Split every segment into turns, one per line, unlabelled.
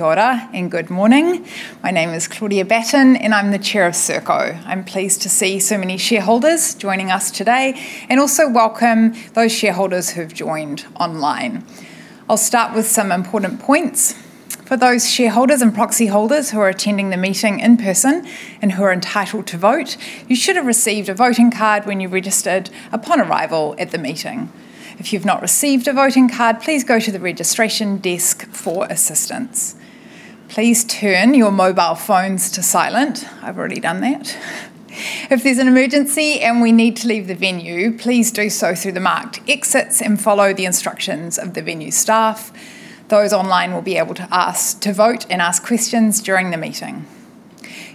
Kia ora, and good morning. My name is Claudia Batten, and I'm the Chair of Serko. I'm pleased to see so many shareholders joining us today, and also welcome those shareholders who've joined online. I'll start with some important points. For those shareholders and proxy holders who are attending the meeting in person and who are entitled to vote, you should have received a voting card when you registered upon arrival at the meeting. If you've not received a voting card, please go to the registration desk for assistance. Please turn your mobile phones to silent. I've already done that. If there's an emergency and we need to leave the venue, please do so through the marked exits and follow the instructions of the venue staff. Those online will be able to ask to vote and ask questions during the meeting.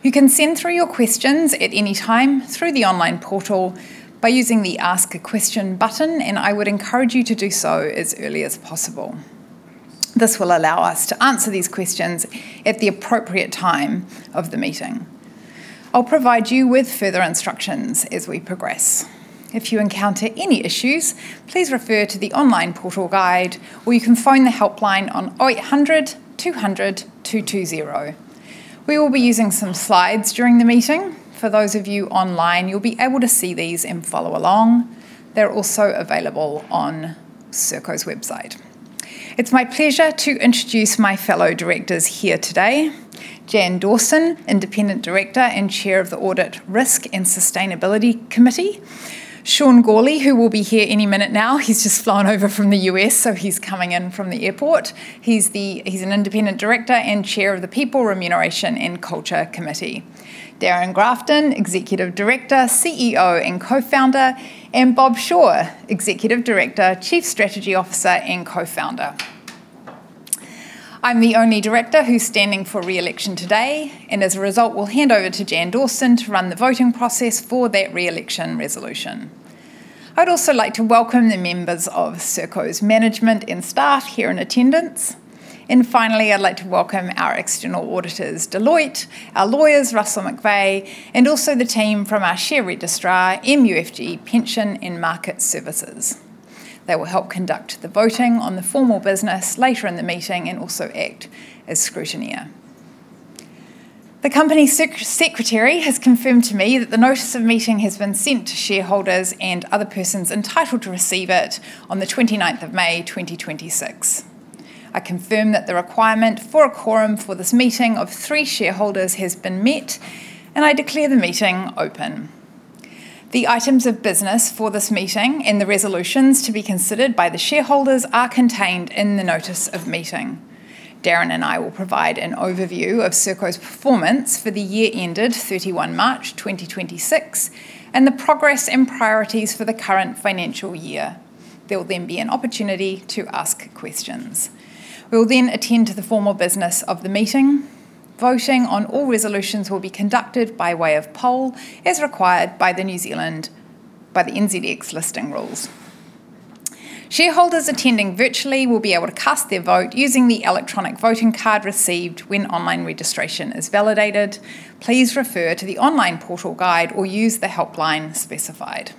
You can send through your questions at any time through the online portal by using the Ask a Question button. I would encourage you to do so as early as possible. This will allow us to answer these questions at the appropriate time of the meeting. I'll provide you with further instructions as we progress. If you encounter any issues, please refer to the online portal guide, or you can phone the helpline on 800-200-220. We will be using some slides during the meeting. For those of you online, you'll be able to see these and follow along. They're also available on Serko's website. It's my pleasure to introduce my fellow directors here today. Jan Dawson, Independent Director and Chair of the Audit, Risk, and Sustainability Committee. Sean Gourley, who will be here any minute now. He's just flown over from the U.S. He's coming in from the airport. He's an Independent Director and Chair of the People, Remuneration, and Culture Committee. Darrin Grafton, Executive Director, CEO, and Co-Founder. Bob Shaw, Executive Director, Chief Strategy Officer, and Co-Founder. I'm the only director who's standing for re-election today. As a result, I'll hand over to Jan Dawson to run the voting process for that re-election resolution. I'd also like to welcome the members of Serko's management and staff here in attendance. Finally, I'd like to welcome our external auditors, Deloitte, our lawyers, Russell McVeagh, and also the team from our share registrar, MUFG Pension & Market Services. They will help conduct the voting on the formal business later in the meeting and also act as scrutineer. The company secretary has confirmed to me that the notice of meeting has been sent to shareholders and other persons entitled to receive it on the 29th of May, 2026. I confirm that the requirement for a quorum for this meeting of three shareholders has been met. I declare the meeting open. The items of business for this meeting and the resolutions to be considered by the shareholders are contained in the notice of meeting. Darrin and I will provide an overview of Serko's performance for the year ended 31 March 2026 and the progress and priorities for the current financial year. There will be an opportunity to ask questions. We will attend to the formal business of the meeting. Voting on all resolutions will be conducted by way of poll, as required by the NZX listing rules. Shareholders attending virtually will be able to cast their vote using the electronic voting card received when online registration is validated. Please refer to the online portal guide or use the helpline specified.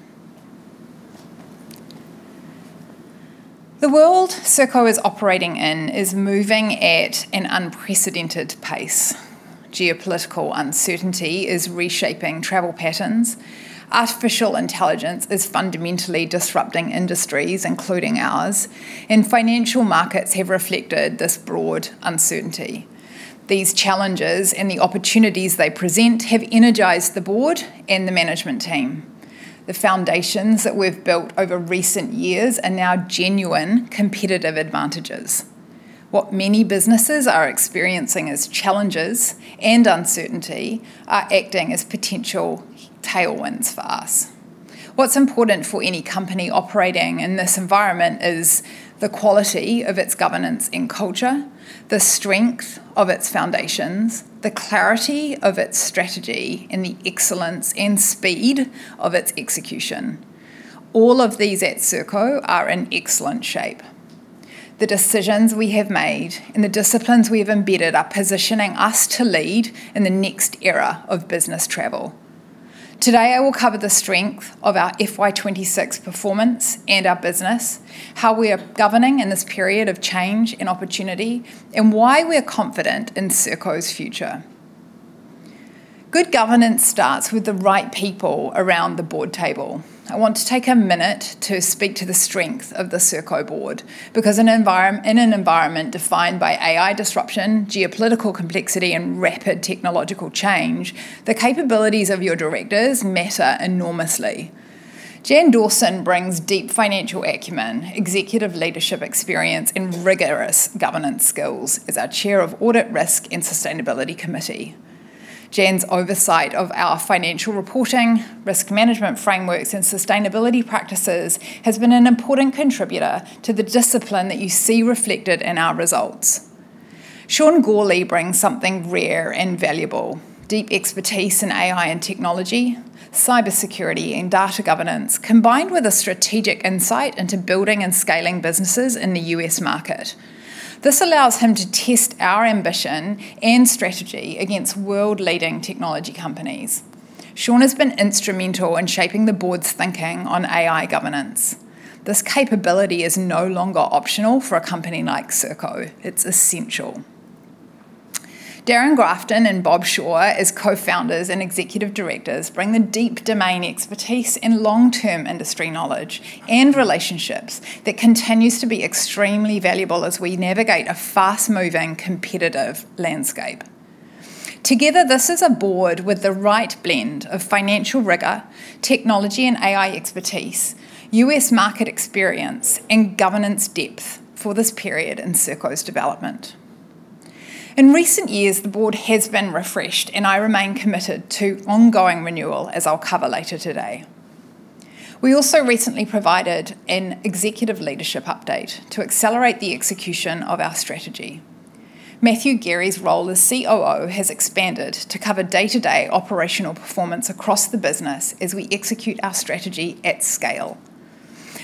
The world Serko is operating in is moving at an unprecedented pace. Geopolitical uncertainty is reshaping travel patterns. Artificial intelligence is fundamentally disrupting industries, including ours, and financial markets have reflected this broad uncertainty. These challenges and the opportunities they present have energized the board and the management team. The foundations that we've built over recent years are now genuine competitive advantages. What many businesses are experiencing as challenges and uncertainty are acting as potential tailwinds for us. What's important for any company operating in this environment is the quality of its governance and culture, the strength of its foundations, the clarity of its strategy, and the excellence and speed of its execution. All of these at Serko are in excellent shape. The decisions we have made and the disciplines we have embedded are positioning us to lead in the next era of business travel. Today, I will cover the strength of our FY 2026 performance and our business, how we are governing in this period of change and opportunity, and why we are confident in Serko's future. Good governance starts with the right people around the board table. I want to take a minute to speak to the strength of the Serko board, because in an environment defined by AI disruption, geopolitical complexity, and rapid technological change, the capabilities of your directors matter enormously. Jan Dawson brings deep financial acumen, executive leadership experience, and rigorous governance skills as our chair of Audit, Risk, and Sustainability Committee. Jan's oversight of our financial reporting, risk management frameworks, and sustainability practices has been an important contributor to the discipline that you see reflected in our results. Sean Gourley brings something rare and valuable, deep expertise in AI and technology, cybersecurity, and data governance, combined with a strategic insight into building and scaling businesses in the U.S. market. This allows him to test our ambition and strategy against world-leading technology companies. Sean has been instrumental in shaping the board's thinking on AI governance. This capability is no longer optional for a company like Serko. It's essential Darrin Grafton and Bob Shaw as co-founders and executive directors bring the deep domain expertise and long-term industry knowledge and relationships that continues to be extremely valuable as we navigate a fast-moving competitive landscape. Together, this is a board with the right blend of financial rigor, technology and AI expertise, U.S. market experience, and governance depth for this period in Serko's development. In recent years, the board has been refreshed, and I remain committed to ongoing renewal, as I'll cover later today. We also recently provided an executive leadership update to accelerate the execution of our strategy. Matthew Gerrie's role as COO has expanded to cover day-to-day operational performance across the business as we execute our strategy at scale.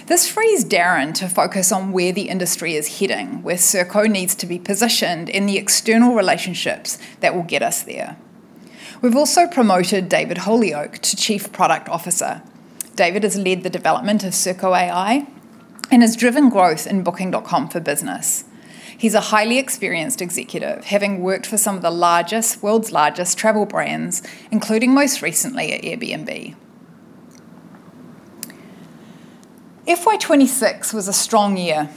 This frees Darrin to focus on where the industry is heading, where Serko needs to be positioned, and the external relationships that will get us there. We've also promoted David Holyoke to chief product officer. David has led the development of Serko.ai and has driven growth in Booking.com for Business. He's a highly experienced executive, having worked for some of the world's largest travel brands, including most recently at Airbnb. FY 2026 was a strong year.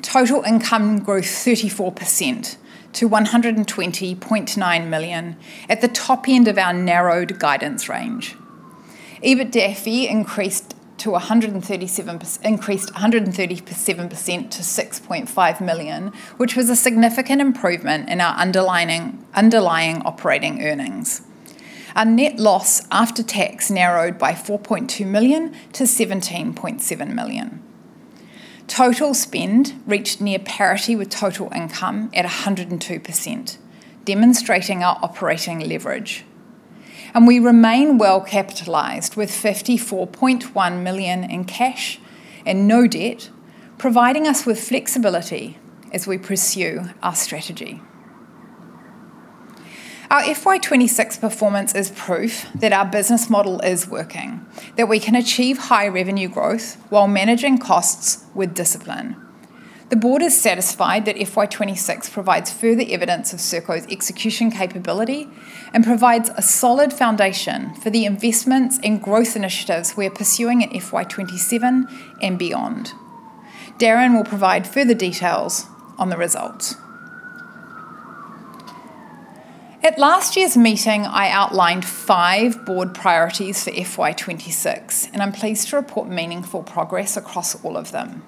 Total income grew 34% to 120.9 million at the top end of our narrowed guidance range. EBITDAFI increased 137% to 6.5 million, which was a significant improvement in our underlying operating earnings. Our net loss after tax narrowed by 4.2 million to 17.7 million. Total spend reached near parity with total income at 102%, demonstrating our operating leverage. We remain well capitalized with 54.1 million in cash and no debt, providing us with flexibility as we pursue our strategy. Our FY 2026 performance is proof that our business model is working, that we can achieve high revenue growth while managing costs with discipline. The board is satisfied that FY 2026 provides further evidence of Serko's execution capability and provides a solid foundation for the investments and growth initiatives we are pursuing at FY 2027 and beyond. Darrin will provide further details on the results. At last year's meeting, I outlined five board priorities for FY 2026. I'm pleased to report meaningful progress across all of them.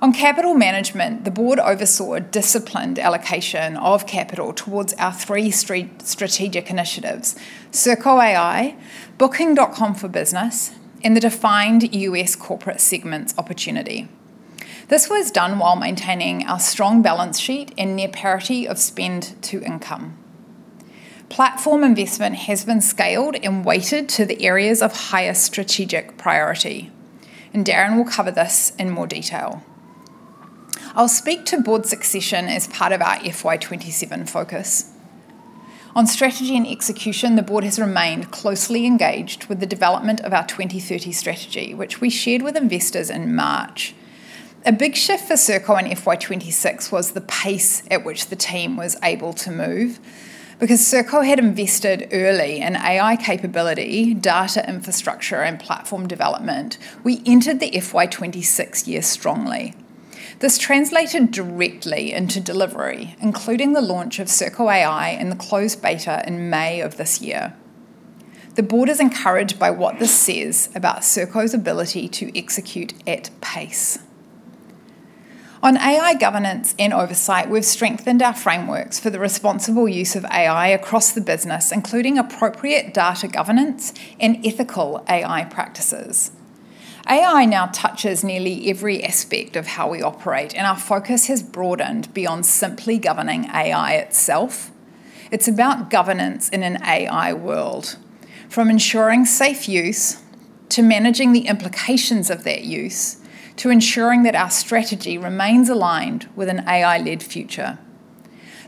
On capital management, the board oversaw a disciplined allocation of capital towards our three strategic initiatives, Serko.ai, Booking.com for Business, and the defined U.S. corporate segments opportunity. This was done while maintaining our strong balance sheet and near parity of spend to income. Platform investment has been scaled and weighted to the areas of highest strategic priority. Darrin will cover this in more detail. I'll speak to board succession as part of our FY 2027 focus. On strategy and execution, the board has remained closely engaged with the development of our 2030 strategy, which we shared with investors in March. A big shift for Serko in FY 2026 was the pace at which the team was able to move. Because Serko had invested early in AI capability, data infrastructure, and platform development, we entered the FY 2026 year strongly. This translated directly into delivery, including the launch of Serko.ai in the closed beta in May of this year. The board is encouraged by what this says about Serko's ability to execute at pace. On AI governance and oversight, we've strengthened our frameworks for the responsible use of AI across the business, including appropriate data governance and ethical AI practices. AI now touches nearly every aspect of how we operate. Our focus has broadened beyond simply governing AI itself. It's about governance in an AI world. From ensuring safe use, to managing the implications of that use, to ensuring that our strategy remains aligned with an AI-led future.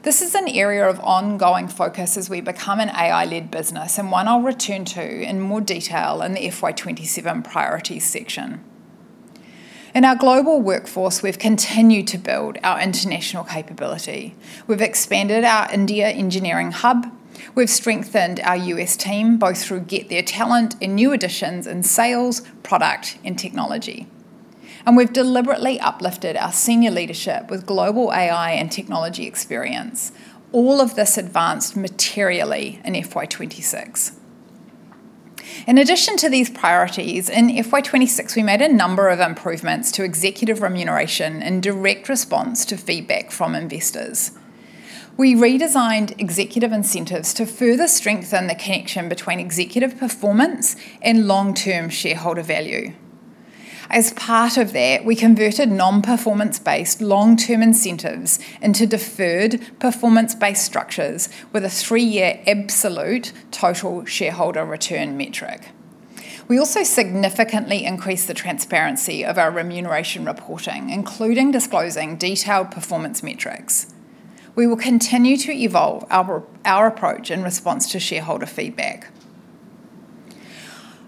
This is an area of ongoing focus as we become an AI-led business. One I'll return to in more detail in the FY 2027 priorities section. In our global workforce, we've continued to build our international capability. We've expanded our India engineering hub. We've strengthened our U.S. team, both through GetThere talent and new additions in sales, product, and technology. We've deliberately uplifted our senior leadership with global AI and technology experience. All of this advanced materially in FY 2026. In addition to these priorities, in FY 2026, we made a number of improvements to executive remuneration in direct response to feedback from investors. We redesigned executive incentives to further strengthen the connection between executive performance and long-term shareholder value. As part of that, we converted non-performance-based long-term incentives into deferred performance-based structures with a three-year absolute total shareholder return metric. We also significantly increased the transparency of our remuneration reporting, including disclosing detailed performance metrics. We will continue to evolve our approach in response to shareholder feedback.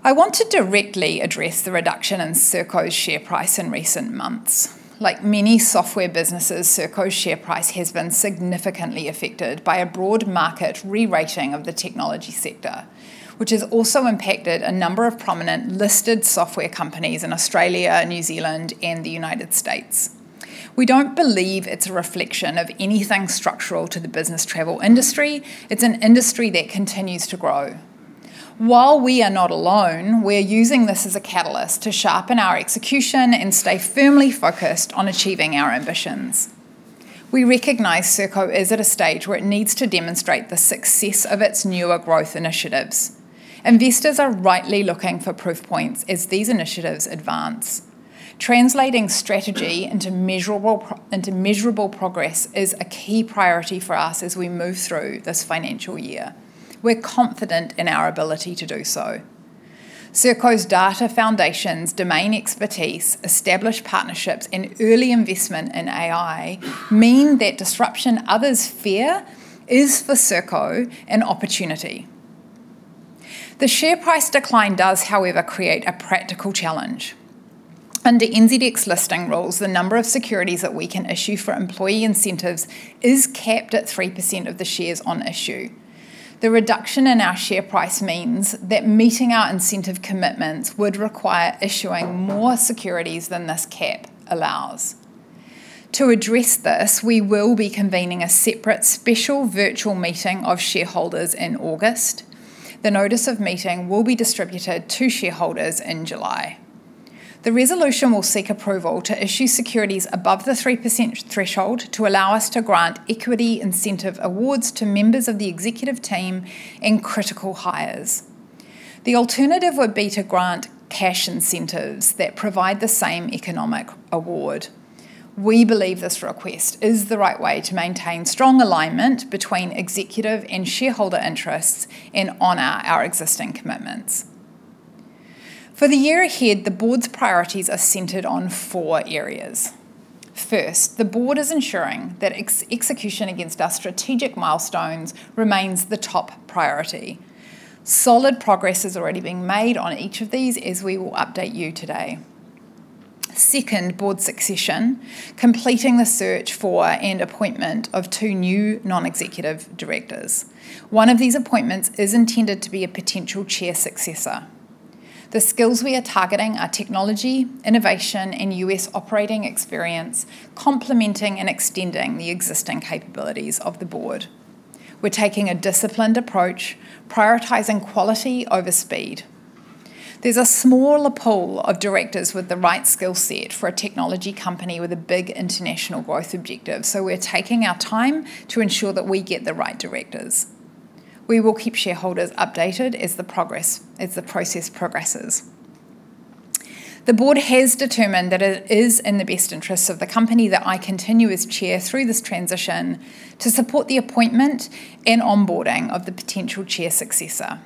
I want to directly address the reduction in Serko's share price in recent months. Like many software businesses, Serko's share price has been significantly affected by a broad market re-rating of the technology sector, which has also impacted a number of prominent listed software companies in Australia, New Zealand, and the United States. We don't believe it's a reflection of anything structural to the business travel industry. It's an industry that continues to grow. While we are not alone, we are using this as a catalyst to sharpen our execution and stay firmly focused on achieving our ambitions. We recognize Serko is at a stage where it needs to demonstrate the success of its newer growth initiatives. Investors are rightly looking for proof points as these initiatives advance. Translating strategy into measurable progress is a key priority for us as we move through this financial year. We're confident in our ability to do so. Serko's data foundations, domain expertise, established partnerships, and early investment in AI mean that disruption others fear is, for Serko, an opportunity. The share price decline does, however, create a practical challenge. Under NZX listing rules, the number of securities that we can issue for employee incentives is capped at 3% of the shares on issue. The reduction in our share price means that meeting our incentive commitments would require issuing more securities than this cap allows. To address this, we will be convening a separate special virtual meeting of shareholders in August. The notice of meeting will be distributed to shareholders in July. The resolution will seek approval to issue securities above the 3% threshold to allow us to grant equity incentive awards to members of the executive team and critical hires. The alternative would be to grant cash incentives that provide the same economic award. We believe this request is the right way to maintain strong alignment between executive and shareholder interests and honor our existing commitments. For the year ahead, the board's priorities are centered on four areas. First, the board is ensuring that execution against our strategic milestones remains the top priority. Solid progress is already being made on each of these as we will update you today. Second, board succession, completing the search for and appointment of two new non-executive directors. One of these appointments is intended to be a potential chair successor. The skills we are targeting are technology, innovation, and U.S. operating experience, complementing and extending the existing capabilities of the board. We're taking a disciplined approach, prioritizing quality over speed. There's a smaller pool of directors with the right skill set for a technology company with a big international growth objective, so we're taking our time to ensure that we get the right directors. We will keep shareholders updated as the process progresses. The board has determined that it is in the best interest of the company that I continue as chair through this transition to support the appointment and onboarding of the potential chair successor.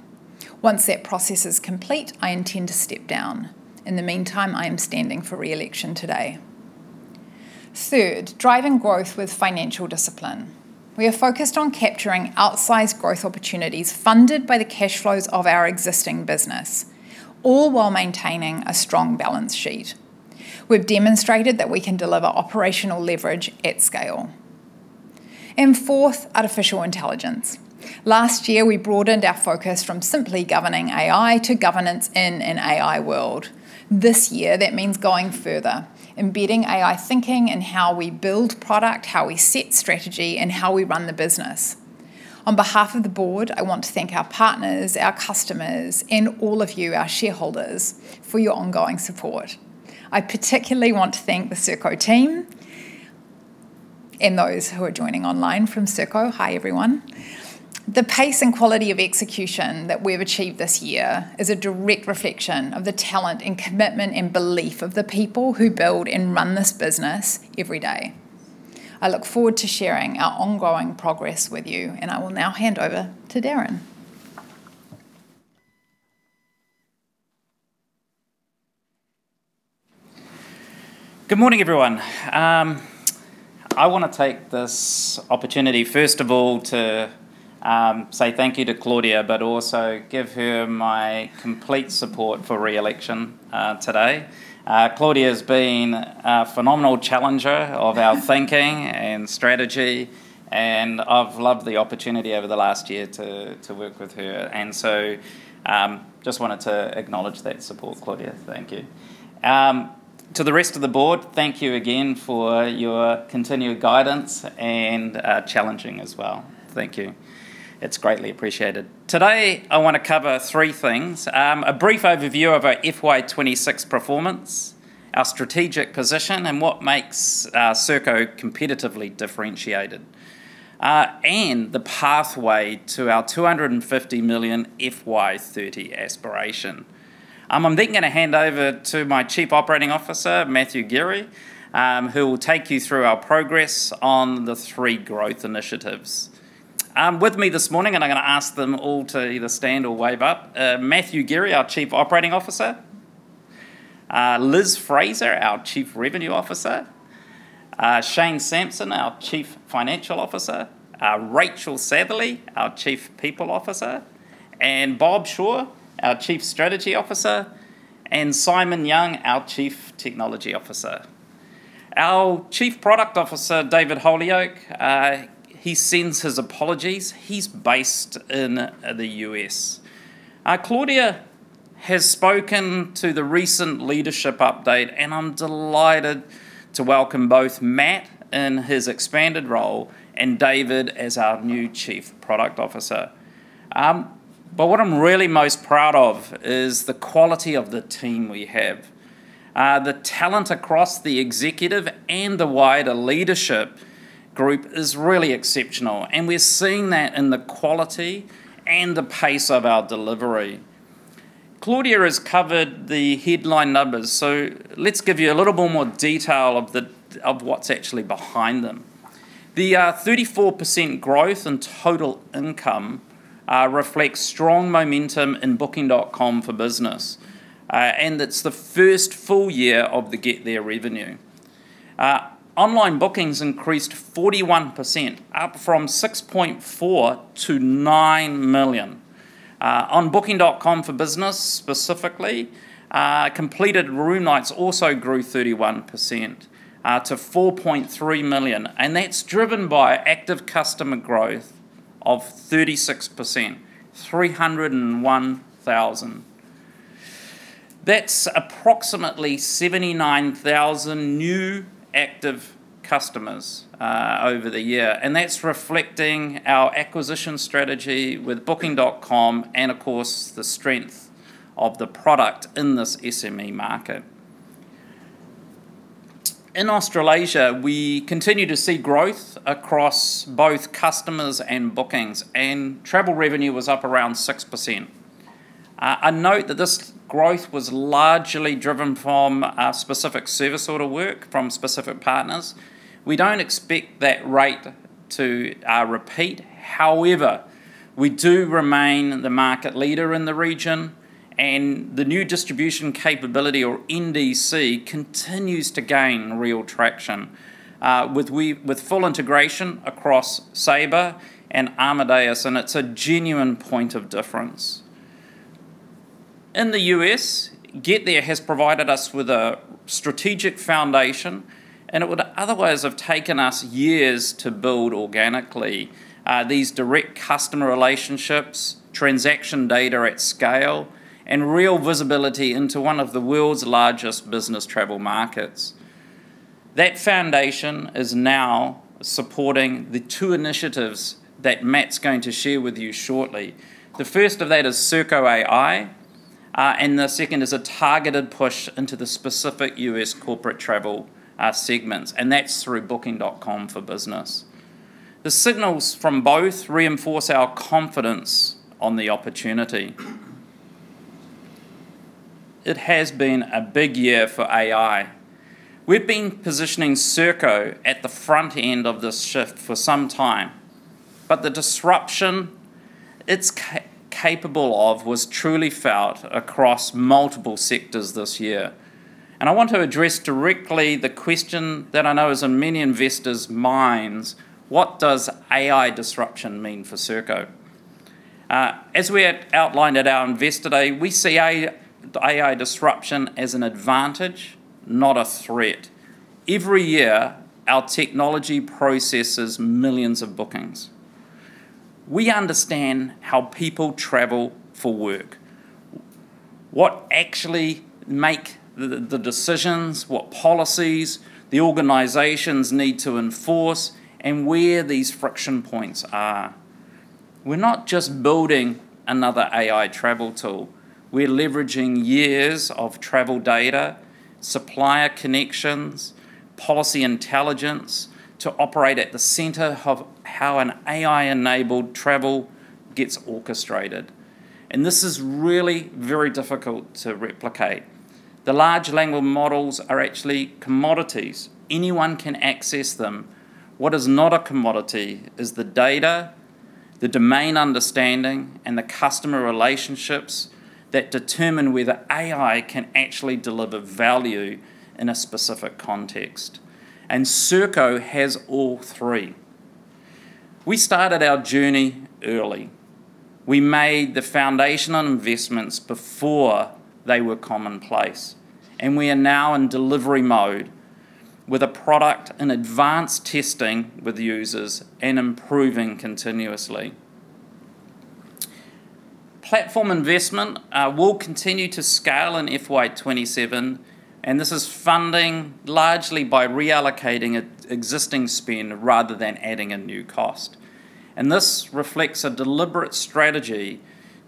Once that process is complete, I intend to step down. In the meantime, I am standing for re-election today. Third, driving growth with financial discipline. We are focused on capturing outsized growth opportunities funded by the cash flows of our existing business, all while maintaining a strong balance sheet. We've demonstrated that we can deliver operational leverage at scale. Fourth, artificial intelligence. Last year, we broadened our focus from simply governing AI to governance in an AI world. This year, that means going further, embedding AI thinking in how we build product, how we set strategy, and how we run the business. On behalf of the board, I want to thank our partners, our customers, and all of you, our shareholders, for your ongoing support. I particularly want to thank the Serko team and those who are joining online from Serko. Hi, everyone. The pace and quality of execution that we have achieved this year is a direct reflection of the talent and commitment and belief of the people who build and run this business every day. I look forward to sharing our ongoing progress with you. I will now hand over to Darrin.
Good morning, everyone. I want to take this opportunity, first of all, to say thank you to Claudia. Also give her my complete support for re-election today. Claudia has been a phenomenal challenger of our thinking and strategy. I've loved the opportunity over the last year to work with her. Just wanted to acknowledge that support, Claudia. Thank you. To the rest of the board, thank you again for your continued guidance and challenging as well. Thank you. It's greatly appreciated. Today, I want to cover three things. A brief overview of our FY 2026 performance, our strategic position, and what makes Serko competitively differentiated. The pathway to our 250 million FY 2030 aspiration. I'm going to hand over to my Chief Operating Officer, Matthew Gerrie, who will take you through our progress on the three growth initiatives. With me this morning, I'm going to ask them all to either stand or wave up. Matthew Gerrie, our Chief Operating Officer, Liz Fraser, our Chief Revenue Officer, Shane Sampson, our Chief Financial Officer, Rachael Satherley, our Chief People Officer, Bob Shaw, our Chief Strategy Officer, Simon Young, our Chief Technology Officer. Our Chief Product Officer, David Holyoke, he sends his apologies. He's based in the U.S. Claudia has spoken to the recent leadership update. I'm delighted to welcome both Matt in his expanded role and David as our new Chief Product Officer. What I'm really most proud of is the quality of the team we have. The talent across the executive and the wider leadership group is really exceptional. We're seeing that in the quality and the pace of our delivery. Claudia has covered the headline numbers. Let's give you a little more detail of what's actually behind them. The 34% growth in total income reflects strong momentum in Booking.com for Business, and it's the first full year of the GetThere revenue. Online bookings increased 41%, up from 6.4 to 9 million. On Booking.com for Business specifically, completed room nights also grew 31% to 4.3 million, and that's driven by active customer growth of 36%, 301,000. That's approximately 79,000 new active customers over the year, and that's reflecting our acquisition strategy with Booking.com and, of course, the strength of the product in this SME market. In Australasia, we continue to see growth across both customers and bookings, and travel revenue was up around 6%. Note that this growth was largely driven from a specific service order work from specific partners. We don't expect that rate to repeat. We do remain the market leader in the region. The new distribution capability, or NDC, continues to gain real traction with full integration across Sabre and Amadeus, and it's a genuine point of difference. In the U.S., GetThere has provided us with a strategic foundation. It would otherwise have taken us years to build organically these direct customer relationships, transaction data at scale, and real visibility into one of the world's largest business travel markets. That foundation is now supporting the two initiatives that Matt's going to share with you shortly. The first of that is Serko.ai, and the second is a targeted push into the specific U.S. corporate travel segments, and that's through Booking.com for Business. The signals from both reinforce our confidence on the opportunity. It has been a big year for AI. We've been positioning Serko at the front end of this shift for some time. The disruption it's capable of was truly felt across multiple sectors this year. I want to address directly the question that I know is on many investors' minds, what does AI disruption mean for Serko? As we outlined at our Investor Day, we see AI disruption as an advantage, not a threat. Every year, our technology processes millions of bookings. We understand how people travel for work, what actually make the decisions, what policies the organizations need to enforce, and where these friction points are. We're not just building another AI travel tool. We're leveraging years of travel data, supplier connections, policy intelligence to operate at the center of how an AI-enabled travel gets orchestrated. This is really very difficult to replicate. The large language models are actually commodities. Anyone can access them. What is not a commodity is the data, the domain understanding, and the customer relationships that determine whether AI can actually deliver value in a specific context. Serko has all three. We started our journey early. We made the foundational investments before they were commonplace. We are now in delivery mode with a product in advanced testing with users and improving continuously. Platform investment will continue to scale in FY 2027. This is funding largely by reallocating existing spend rather than adding a new cost. This reflects a deliberate strategy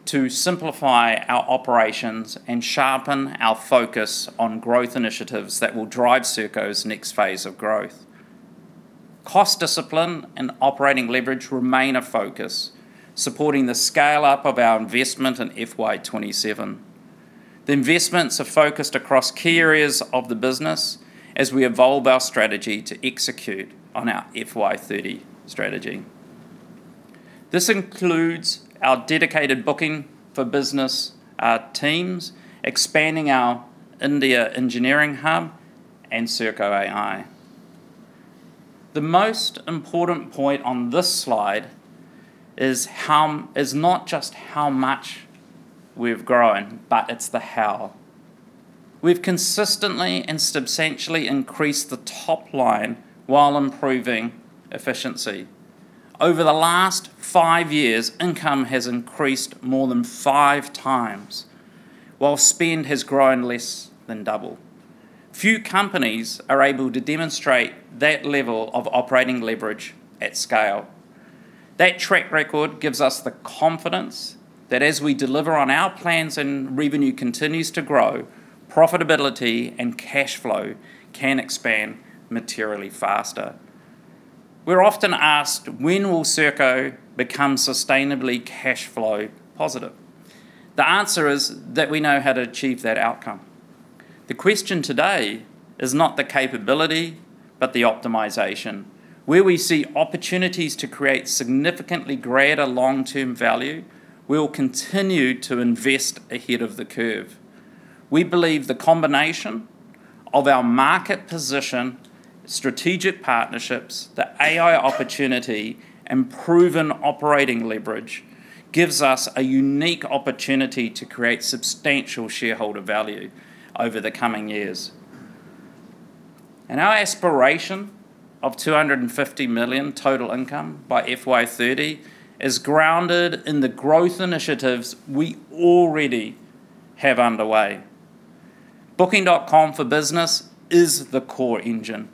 to simplify our operations and sharpen our focus on growth initiatives that will drive Serko's next phase of growth. Cost discipline and operating leverage remain a focus, supporting the scale-up of our investment in FY 2027. The investments are focused across key areas of the business as we evolve our strategy to execute on our FY 2030 strategy. This includes our dedicated Booking for Business teams, expanding our India engineering hub, and Serko.ai. The most important point on this slide is not just how much we've grown, but it's the how. We've consistently and substantially increased the top line while improving efficiency. Over the last five years, income has increased more than five times, while spend has grown less than double. Few companies are able to demonstrate that level of operating leverage at scale. That track record gives us the confidence that as we deliver on our plans and revenue continues to grow, profitability and cash flow can expand materially faster. We're often asked, when will Serko become sustainably cash flow positive? The answer is that we know how to achieve that outcome. The question today is not the capability, but the optimization. Where we see opportunities to create significantly greater long-term value, we will continue to invest ahead of the curve. We believe the combination of our market position, strategic partnerships, the AI opportunity, and proven operating leverage gives us a unique opportunity to create substantial shareholder value over the coming years. Our aspiration of 250 million total income by FY 2030 is grounded in the growth initiatives we already have underway. Booking.com for Business is the core engine.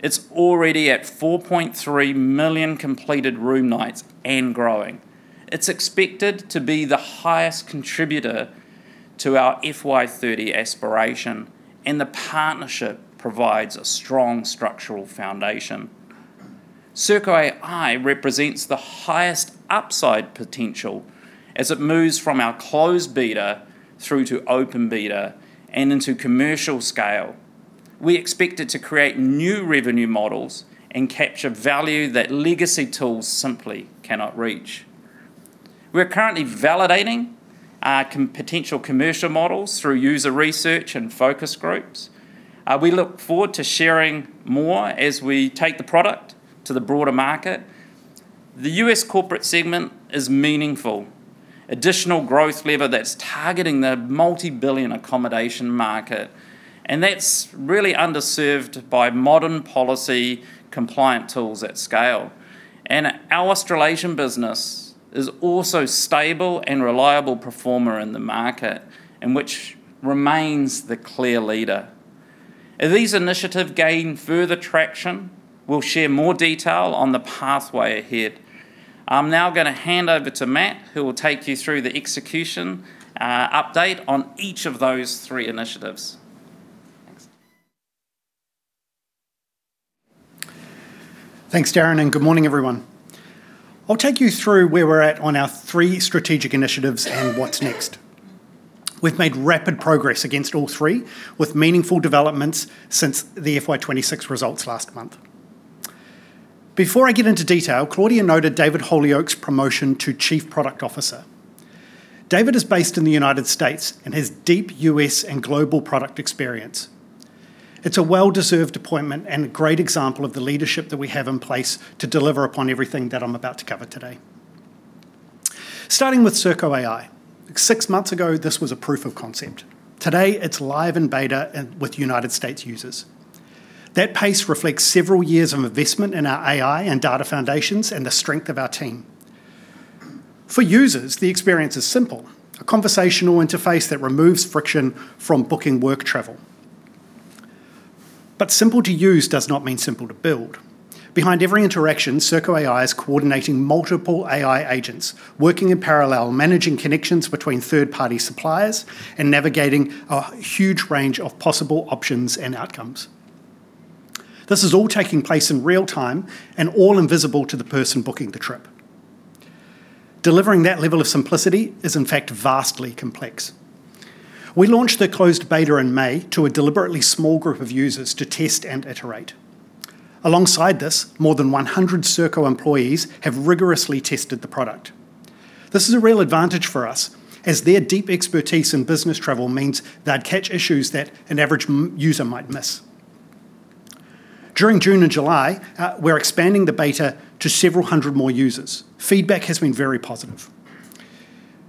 It's already at 4.3 million completed room nights and growing. It's expected to be the highest contributor to our FY 2030 aspiration, the partnership provides a strong structural foundation. Serko.ai represents the highest upside potential as it moves from our closed beta through to open beta and into commercial scale. We expect it to create new revenue models and capture value that legacy tools simply cannot reach. We're currently validating our potential commercial models through user research and focus groups. We look forward to sharing more as we take the product to the broader market. The U.S. corporate segment is a meaningful additional growth lever that's targeting the multi-billion accommodation market, and that's really underserved by modern policy compliant tools at scale. Our Australasian business is also stable and reliable performer in the market, which remains the clear leader. As these initiatives gain further traction, we'll share more detail on the pathway ahead. I'm now going to hand over to Matt, who will take you through the execution update on each of those three initiatives. Thanks.
Thanks, Darrin, and good morning, everyone. I'll take you through where we're at on our three strategic initiatives and what's next. We've made rapid progress against all three, with meaningful developments since the FY 2026 results last month. Before I get into detail, Claudia noted David Holyoke's promotion to Chief Product Officer. David is based in the United States and has deep U.S. and global product experience. It's a well-deserved appointment and a great example of the leadership that we have in place to deliver upon everything that I'm about to cover today. Starting with Serko.ai. Six months ago, this was a proof of concept. Today, it's live in beta with United States users. That pace reflects several years of investment in our AI and data foundations and the strength of our team. For users, the experience is simple, a conversational interface that removes friction from booking work travel. Simple to use does not mean simple to build. Behind every interaction, Serko.ai is coordinating multiple AI agents, working in parallel, managing connections between third-party suppliers, and navigating a huge range of possible options and outcomes. This is all taking place in real time and all invisible to the person booking the trip. Delivering that level of simplicity is, in fact, vastly complex. We launched the closed beta in May to a deliberately small group of users to test and iterate. Alongside this, more than 100 Serko employees have rigorously tested the product. This is a real advantage for us, as their deep expertise in business travel means they would catch issues that an average user might miss. During June and July, we are expanding the beta to several hundred more users. Feedback has been very positive.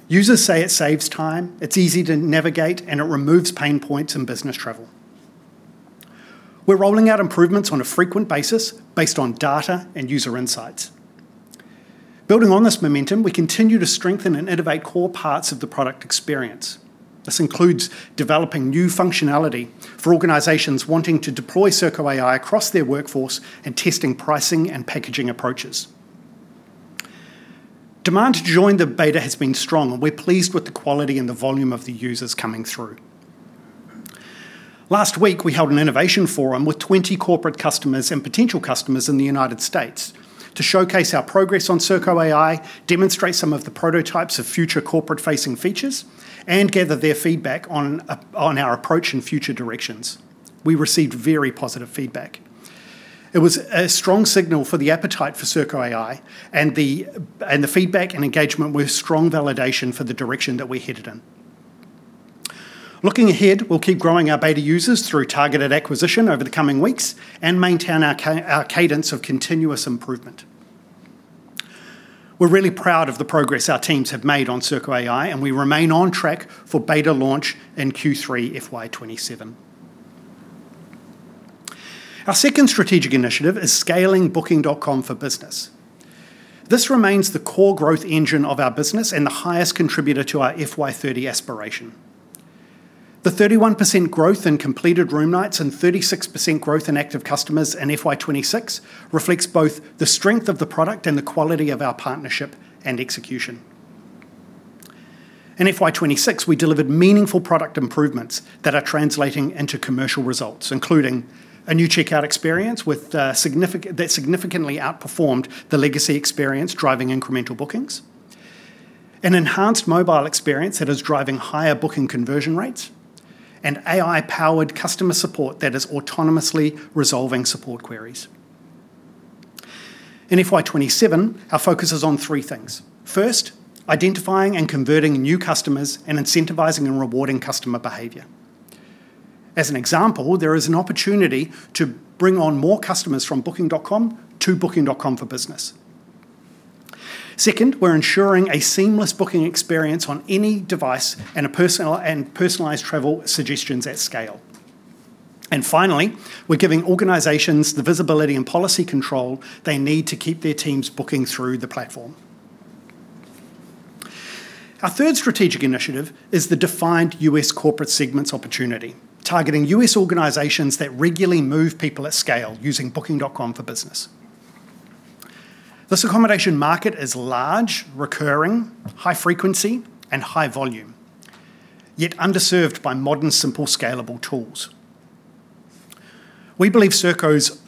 Users say it saves time, it's easy to navigate, and it removes pain points in business travel. We're rolling out improvements on a frequent basis based on data and user insights. Building on this momentum, we continue to strengthen and innovate core parts of the product experience. This includes developing new functionality for organizations wanting to deploy Serko.ai across their workforce and testing pricing and packaging approaches. Demand to join the beta has been strong, and we're pleased with the quality and the volume of the users coming through. Last week, we held an innovation forum with 20 corporate customers and potential customers in the United States to showcase our progress on Serko.ai. Demonstrate some of the prototypes of future corporate-facing features, and gather their feedback on our approach and future directions. We received very positive feedback. It was a strong signal for the appetite for Serko.ai, and the feedback and engagement were strong validation for the direction that we're headed in. Looking ahead, we'll keep growing our beta users through targeted acquisition over the coming weeks and maintain our cadence of continuous improvement. We're really proud of the progress our teams have made on Serko.ai, and we remain on track for beta launch in Q3 FY 2027. Our second strategic initiative is scaling Booking.com for Business. This remains the core growth engine of our business and the highest contributor to our FY 2030 aspiration. The 31% growth in completed room nights and 36% growth in active customers in FY 2026 reflects both the strength of the product and the quality of our partnership and execution. In FY 2026, we delivered meaningful product improvements that are translating into commercial results, including a new checkout experience that significantly outperformed the legacy experience, driving incremental bookings, an enhanced mobile experience that is driving higher booking conversion rates, and AI-powered customer support that is autonomously resolving support queries. In FY 2027, our focus is on three things. First, identifying and converting new customers and incentivizing and rewarding customer behavior. As an example, there is an opportunity to bring on more customers from Booking.com to Booking.com for Business. Second, we're ensuring a seamless booking experience on any device and personalized travel suggestions at scale. Finally, we're giving organizations the visibility and policy control they need to keep their teams booking through the platform. Our third strategic initiative is the defined US corporate segments opportunity, targeting US organizations that regularly move people at scale using Booking.com for Business. This accommodation market is large, recurring, high frequency and high volume, yet underserved by modern, simple, scalable tools. We believe Serko's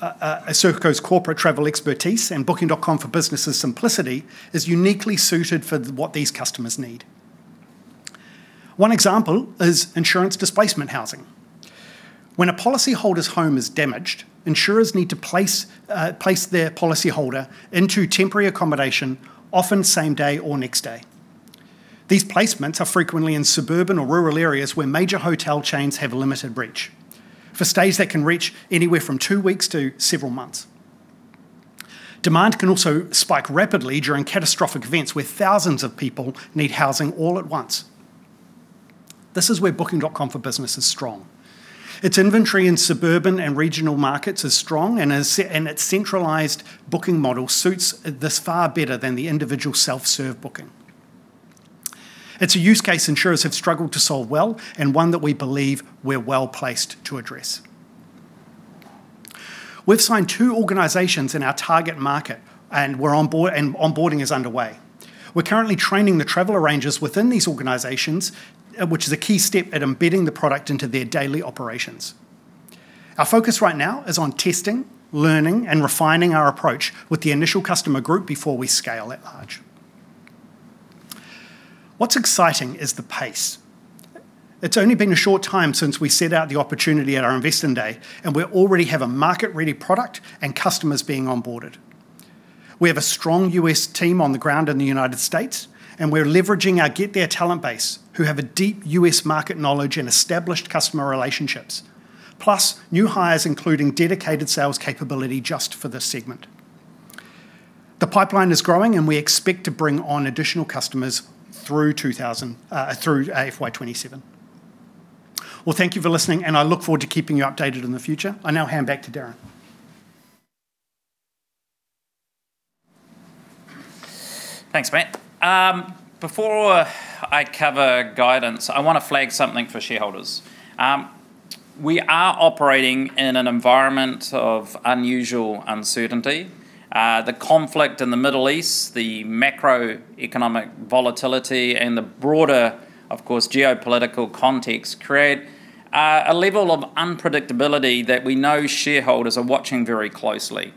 corporate travel expertise and Booking.com for Business's simplicity is uniquely suited for what these customers need. One example is insurance displacement housing. When a policyholder's home is damaged, insurers need to place their policyholder into temporary accommodation, often same day or next day. These placements are frequently in suburban or rural areas where major hotel chains have limited reach, for stays that can reach anywhere from two weeks to several months. Demand can also spike rapidly during catastrophic events where thousands of people need housing all at once. This is where Booking.com for Business is strong. Its inventory in suburban and regional markets is strong, and its centralized booking model suits this far better than the individual self-serve booking. It's a use case insurers have struggled to solve well and one that we believe we're well-placed to address. We've signed two organizations in our target market, and onboarding is underway. We're currently training the travel arrangers within these organizations, which is a key step at embedding the product into their daily operations. Our focus right now is on testing, learning, and refining our approach with the initial customer group before we scale at large. What's exciting is the pace. It's only been a short time since we set out the opportunity at our Investor Day, and we already have a market-ready product and customers being onboarded. We have a strong U.S. team on the ground in the United States, and we're leveraging our GetThere talent base, who have a deep U.S. market knowledge and established customer relationships, plus new hires, including dedicated sales capability just for this segment. Thank you for listening, and I look forward to keeping you updated in the future. I now hand back to Darrin.
Thanks, Matt. Before I cover guidance, I want to flag something for shareholders. We are operating in an environment of unusual uncertainty. The conflict in the Middle East, the macroeconomic volatility, and the broader, of course, geopolitical context create a level of unpredictability that we know shareholders are watching very closely.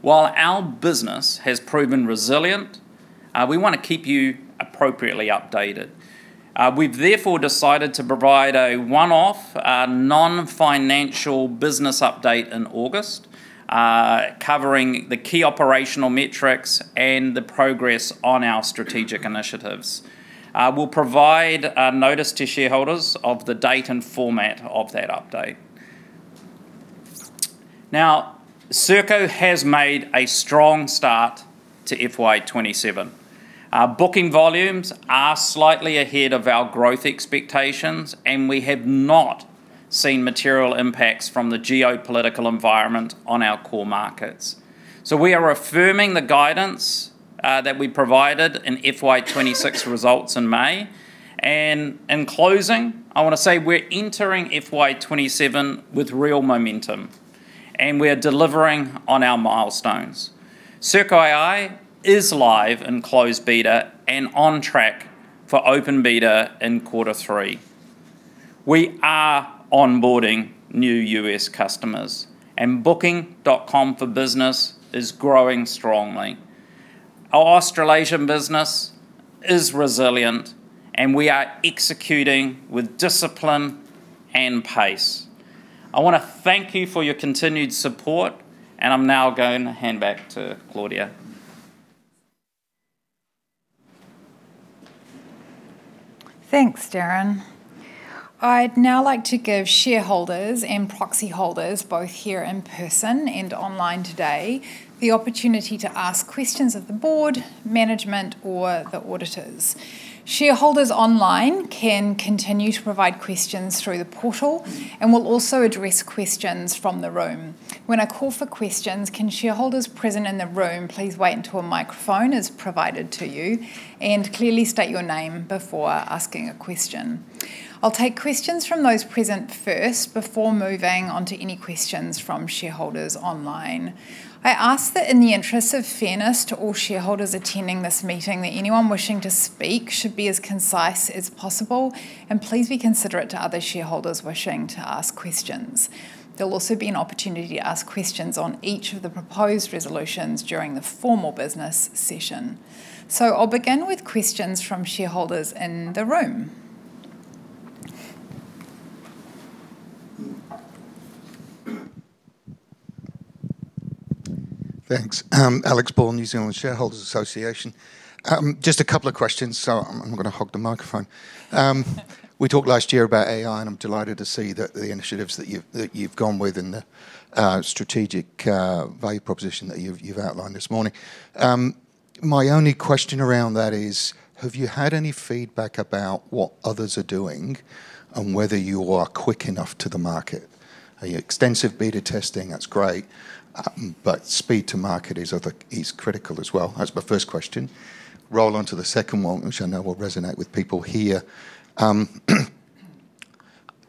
While our business has proven resilient, we want to keep you appropriately updated. We've therefore decided to provide a one-off non-financial business update in August, covering the key operational metrics and the progress on our strategic initiatives. We'll provide a notice to shareholders of the date and format of that update. Now, Serko has made a strong start to FY 2027. Our booking volumes are slightly ahead of our growth expectations, and we have not seen material impacts from the geopolitical environment on our core markets. We are affirming the guidance that we provided in FY 2026 results in May. In closing, I want to say we're entering FY 2027 with real momentum, and we're delivering on our milestones. Serko.ai is live in closed beta and on track for open beta in quarter three. We are onboarding new U.S. customers, and Booking.com for Business is growing strongly. Our Australasian business is resilient, and we are executing with discipline and pace. I want to thank you for your continued support, and I'm now going to hand back to Claudia.
Thanks, Darrin. I'd now like to give shareholders and proxy holders, both here in person and online today, the opportunity to ask questions of the board, management, or the auditors. Shareholders online can continue to provide questions through the portal, and we'll also address questions from the room. When I call for questions, can shareholders present in the room please wait until a microphone is provided to you, and clearly state your name before asking a question. I'll take questions from those present first before moving on to any questions from shareholders online. I ask that in the interest of fairness to all shareholders attending this meeting, that anyone wishing to speak should be as concise as possible, and please be considerate to other shareholders wishing to ask questions. There'll also be an opportunity to ask questions on each of the proposed resolutions during the formal business session. I'll begin with questions from shareholders in the room.
Thanks. Alex Bourne, New Zealand Shareholders Association. Just a couple of questions, so I'm not going to hog the microphone. We talked last year about AI, and I'm delighted to see the initiatives that you've gone with in the strategic value proposition that you've outlined this morning. My only question around that is, have you had any feedback about what others are doing and whether you are quick enough to the market? Are you extensive beta testing, that's great. Speed to market is critical as well. That's my first question. Roll on to the second one, which I know will resonate with people here.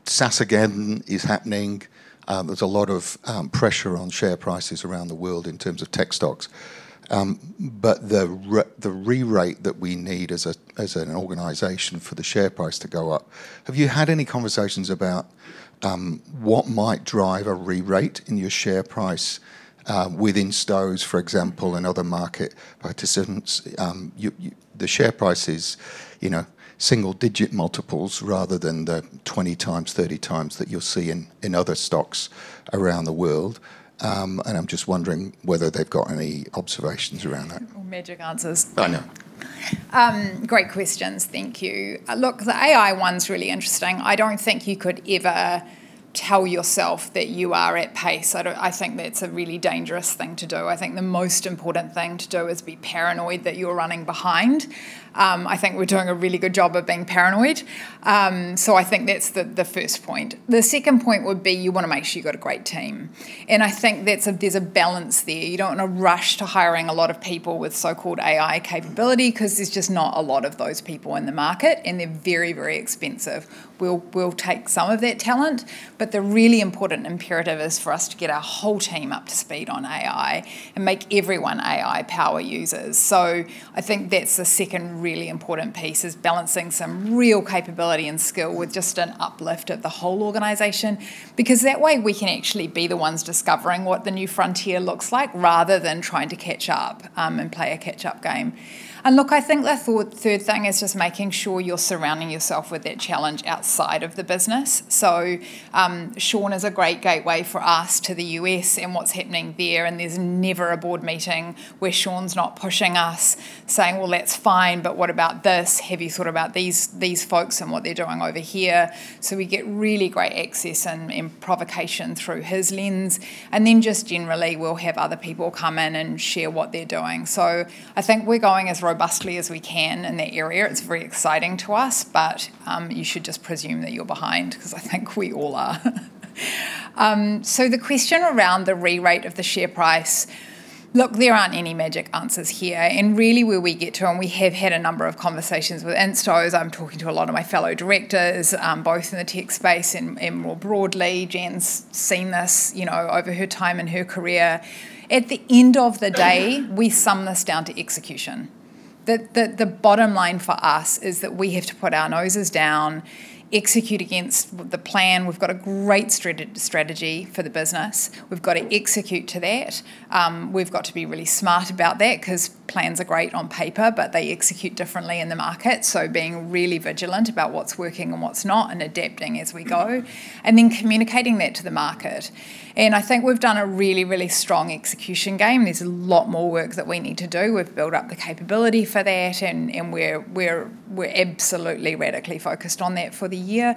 SaaSacre is happening. There's a lot of pressure on share prices around the world in terms of tech stocks. The re-rate that we need as an organization for the share price to go up, have you had any conversations about what might drive a re-rate in your share price with Instos, for example, and other market participants? The share price is single-digit multiples rather than the 20 times, 30 times that you'll see in other stocks around the world. I'm just wondering whether they've got any observations around that.
Yeah. No magic answers.
I know.
Great questions. Thank you. Look, the AI one's really interesting. I don't think you could ever tell yourself that you are at pace. I think that's a really dangerous thing to do. I think the most important thing to do is be paranoid that you're running behind. I think we're doing a really good job of being paranoid. I think that's the first point. The second point would be, you want to make sure you've got a great team. I think there's a balance there. You don't want to rush to hiring a lot of people with so-called AI capability because there's just not a lot of those people in the market, and they're very, very expensive. We'll take some of that talent, but the really important imperative is for us to get our whole team up to speed on AI and make everyone AI power users. I think that's the second really important piece, is balancing some real capability and skill with just an uplift of the whole organization. Because that way, we can actually be the ones discovering what the new frontier looks like, rather than trying to catch up and play a catch-up game. I think the third thing is just making sure you're surrounding yourself with that challenge outside of the business. Sean is a great gateway for us to the U.S. and what's happening there, and there's never a board meeting where Sean's not pushing us, saying, "Well, that's fine, but what about this? Have you thought about these folks and what they're doing over here?" We get really great access and provocation through his lens. Just generally, we'll have other people come in and share what they're doing. I think we're going as robustly as we can in that area. It's very exciting to us. You should just presume that you're behind, because I think we all are. The question around the re-rate of the share price, look, there aren't any magic answers here. Really where we get to, and we have had a number of conversations with Instos. I'm talking to a lot of my fellow directors, both in the tech space and more broadly. Jan's seen this over her time and her career. At the end of the day, we sum this down to execution. The bottom line for us is that we have to put our noses down, execute against the plan. We've got a great strategy for the business. We've got to execute to that. We've got to be really smart about that, because plans are great on paper, but they execute differently in the market. Being really vigilant about what's working and what's not, and adapting as we go. Then communicating that to the market. I think we've done a really, really strong execution game. There's a lot more work that we need to do. We've built up the capability for that, and we're absolutely radically focused on that for the year.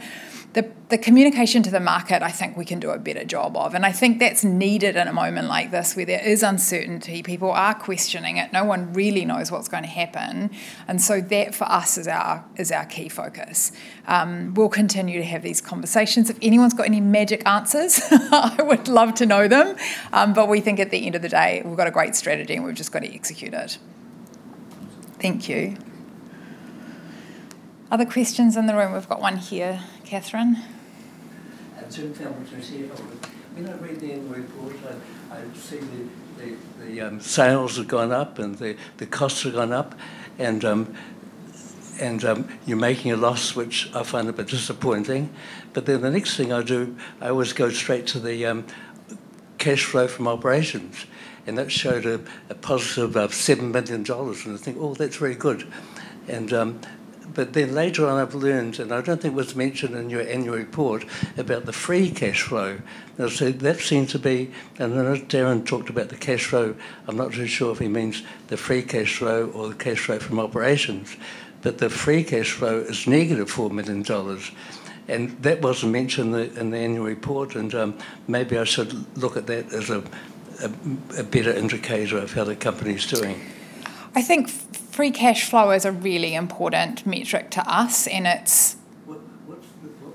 The communication to the market, I think we can do a better job of. I think that's needed in a moment like this, where there is uncertainty. People are questioning it. No one really knows what's going to happen. That, for us, is our key focus. We'll continue to have these conversations. If anyone's got any magic answers, I would love to know them. We think at the end of the day, we've got a great strategy and we've just got to execute it. Thank you. Other questions in the room? We've got one here. Catherine?
Jim Felton, Shareholder. When I read the annual report, I see the sales have gone up and the costs have gone up. You're making a loss, which I find a bit disappointing. The next thing I do, I always go straight to the cash flow from operations, and that showed a positive of 7 million dollars. I think, "Oh, that's very good." Later on I've learned, I don't think it was mentioned in your annual report, about the free cash flow. That seemed to be I know Darrin talked about the cash flow. I'm not too sure if he means the free cash flow or the cash flow from operations, the free cash flow is negative 4 million dollars. That wasn't mentioned in the annual report, maybe I should look at that as a better indicator of how the company's doing.
I think free cash flow is a really important metric to us.
What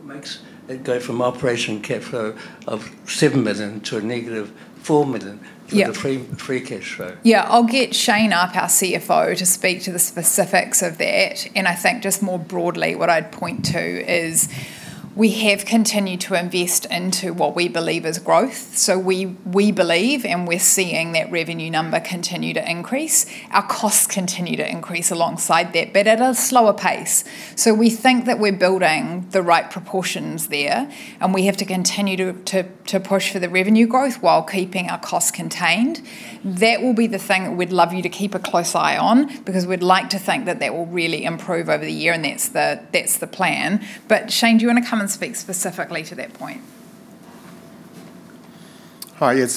makes it go from operating cash flow of 7 million to a negative 4 million for the free cash flow?
Yeah. I'll get Shane up, our CFO, to speak to the specifics of that. I think just more broadly what I'd point to is we have continued to invest into what we believe is growth. We believe, and we're seeing that revenue number continue to increase. Our costs continue to increase alongside that, but at a slower pace. We think that we're building the right proportions there, we have to continue to push for the revenue growth while keeping our costs contained. That will be the thing that we'd love you to keep a close eye on, because we'd like to think that that will really improve over the year, and that's the plan. Shane, do you want to come and speak specifically to that point?
Hi. Yeah,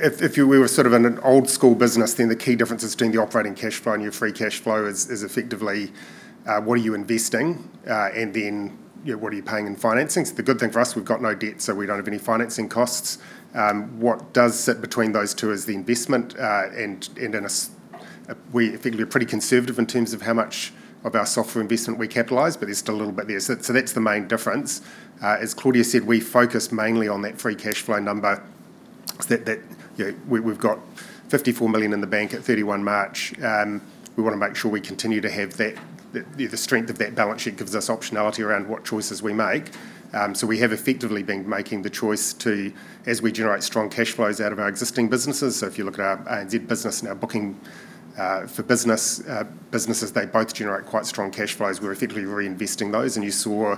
if we were sort of in an old-school business, the key differences between the operating cash flow and your free cash flow is effectively what are you investing, what are you paying in financing. The good thing for us, we've got no debt, we don't have any financing costs. What does sit between those two is the investment, we figure we're pretty conservative in terms of how much of our software investment we capitalize, but there's still a little bit there. That's the main difference. As Claudia said, we focus mainly on that free cash flow number, that we've got 54 million in the bank at 31 March. We want to make sure we continue to have that. The strength of that balance sheet gives us optionality around what choices we make. We have effectively been making the choice to, as we generate strong cash flows out of our existing businesses, so if you look at our ANZ business and our Booking.com for Business businesses, they both generate quite strong cash flows. We're effectively reinvesting those, and you saw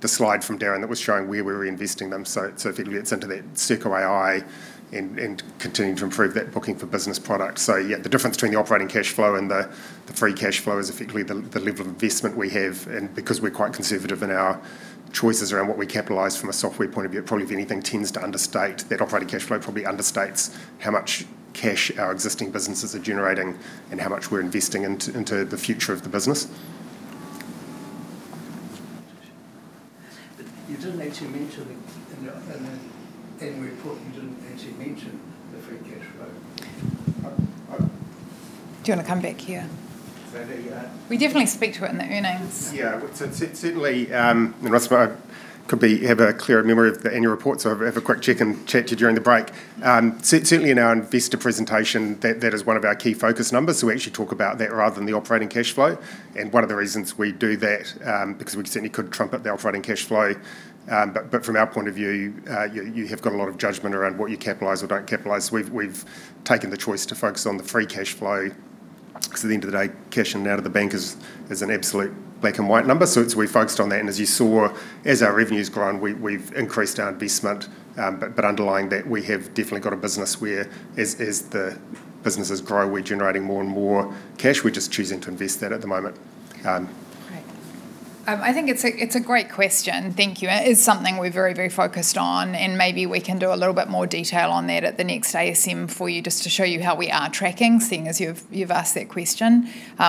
the slide from Darrin that was showing where we're reinvesting them. Effectively it's into that Serko.ai and continuing to improve that Booking.com for Business product. Yeah, the difference between the operating cash flow and the free cash flow is effectively the level of investment we have. Because we're quite conservative in our choices around what we capitalize from a software point of view, it probably, if anything, tends to understate. That operating cash flow probably understates how much cash our existing businesses are generating and how much we're investing into the future of the business.
You didn't actually mention, in the annual report, you didn't actually mention the free cash flow.
Do you want to come back here?
Is that there you are.
We definitely speak to it in the earnings.
Yeah. Certainly, Russell could have a clearer memory of the annual report, I'll have a quick check and chat to you during the break. Certainly in our investor presentation, that is one of our key focus numbers, we actually talk about that rather than the operating cash flow. One of the reasons we do that, because we certainly could trump up the operating cash flow, from our point of view, you have got a lot of judgment around what you capitalize or don't capitalize. We've taken the choice to focus on the free cash flow, because at the end of the day, cashing out of the bank is an absolute black-and-white number. We focused on that, and as you saw, as our revenue's grown, we've increased our investment. Underlying that, we have definitely got a business where as the businesses grow, we're generating more and more cash. We're just choosing to invest that at the moment.
Great. I think it's a great question. Thank you. It is something we're very, very focused on, maybe we can do a little bit more detail on that at the next ASM for you, just to show you how we are tracking, seeing as you've asked that question.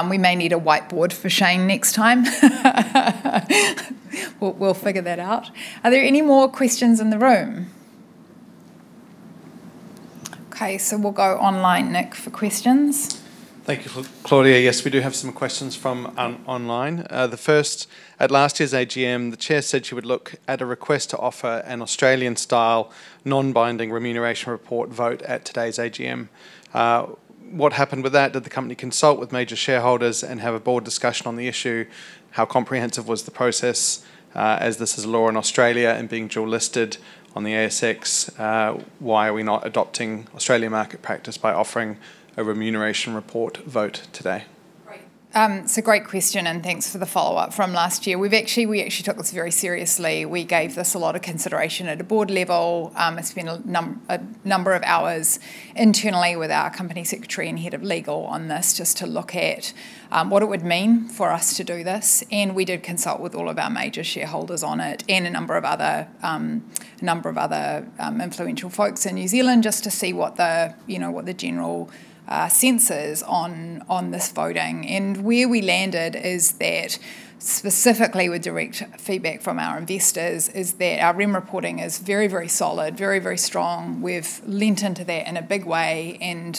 We may need a whiteboard for Shane next time. We'll figure that out. Are there any more questions in the room? Okay, we'll go online, Nick, for questions.
Thank you, Claudia. Yes, we do have some questions from online. The first, at last year's AGM, the chair said she would look at a request to offer an Australian-style non-binding remuneration report vote at today's AGM. What happened with that? Did the company consult with major shareholders and have a board discussion on the issue? How comprehensive was the process? As this is law in Australia and being dual listed on the ASX, why are we not adopting Australian market practice by offering a remuneration report vote today?
Great. It's a great question, and thanks for the follow-up. From last year, we actually took this very seriously. We gave this a lot of consideration at a board level, and spent a number of hours internally with our company secretary and head of legal on this, just to look at what it would mean for us to do this. We did consult with all of our major shareholders on it, and a number of other influential folks in New Zealand, just to see what the general sense is on this voting. Where we landed is that specifically with direct feedback from our investors, is that our rem reporting is very, very solid, very, very strong. We've leant into that in a big way and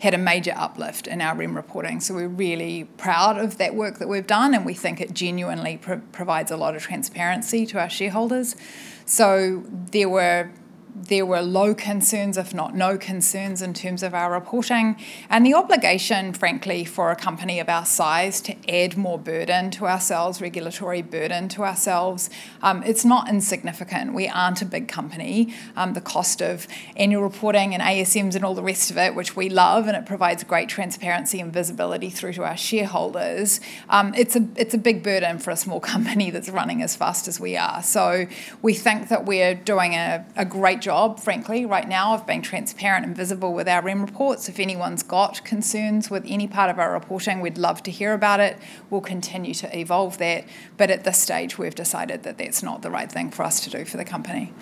had a major uplift in our rem reporting. We're really proud of that work that we've done, and we think it genuinely provides a lot of transparency to our shareholders. There were low concerns, if not no concerns, in terms of our reporting. The obligation, frankly, for a company of our size to add more regulatory burden to ourselves, it's not insignificant. We aren't a big company. The cost of annual reporting and ASMs and all the rest of it, which we love, and it provides great transparency and visibility through to our shareholders. It's a big burden for a small company that's running as fast as we are. We think that we're doing a great job, frankly, right now of being transparent and visible with our REM reports. If anyone's got concerns with any part of our reporting, we'd love to hear about it. We'll continue to evolve that, at this stage, we've decided that that's not the right thing for us to do for the company.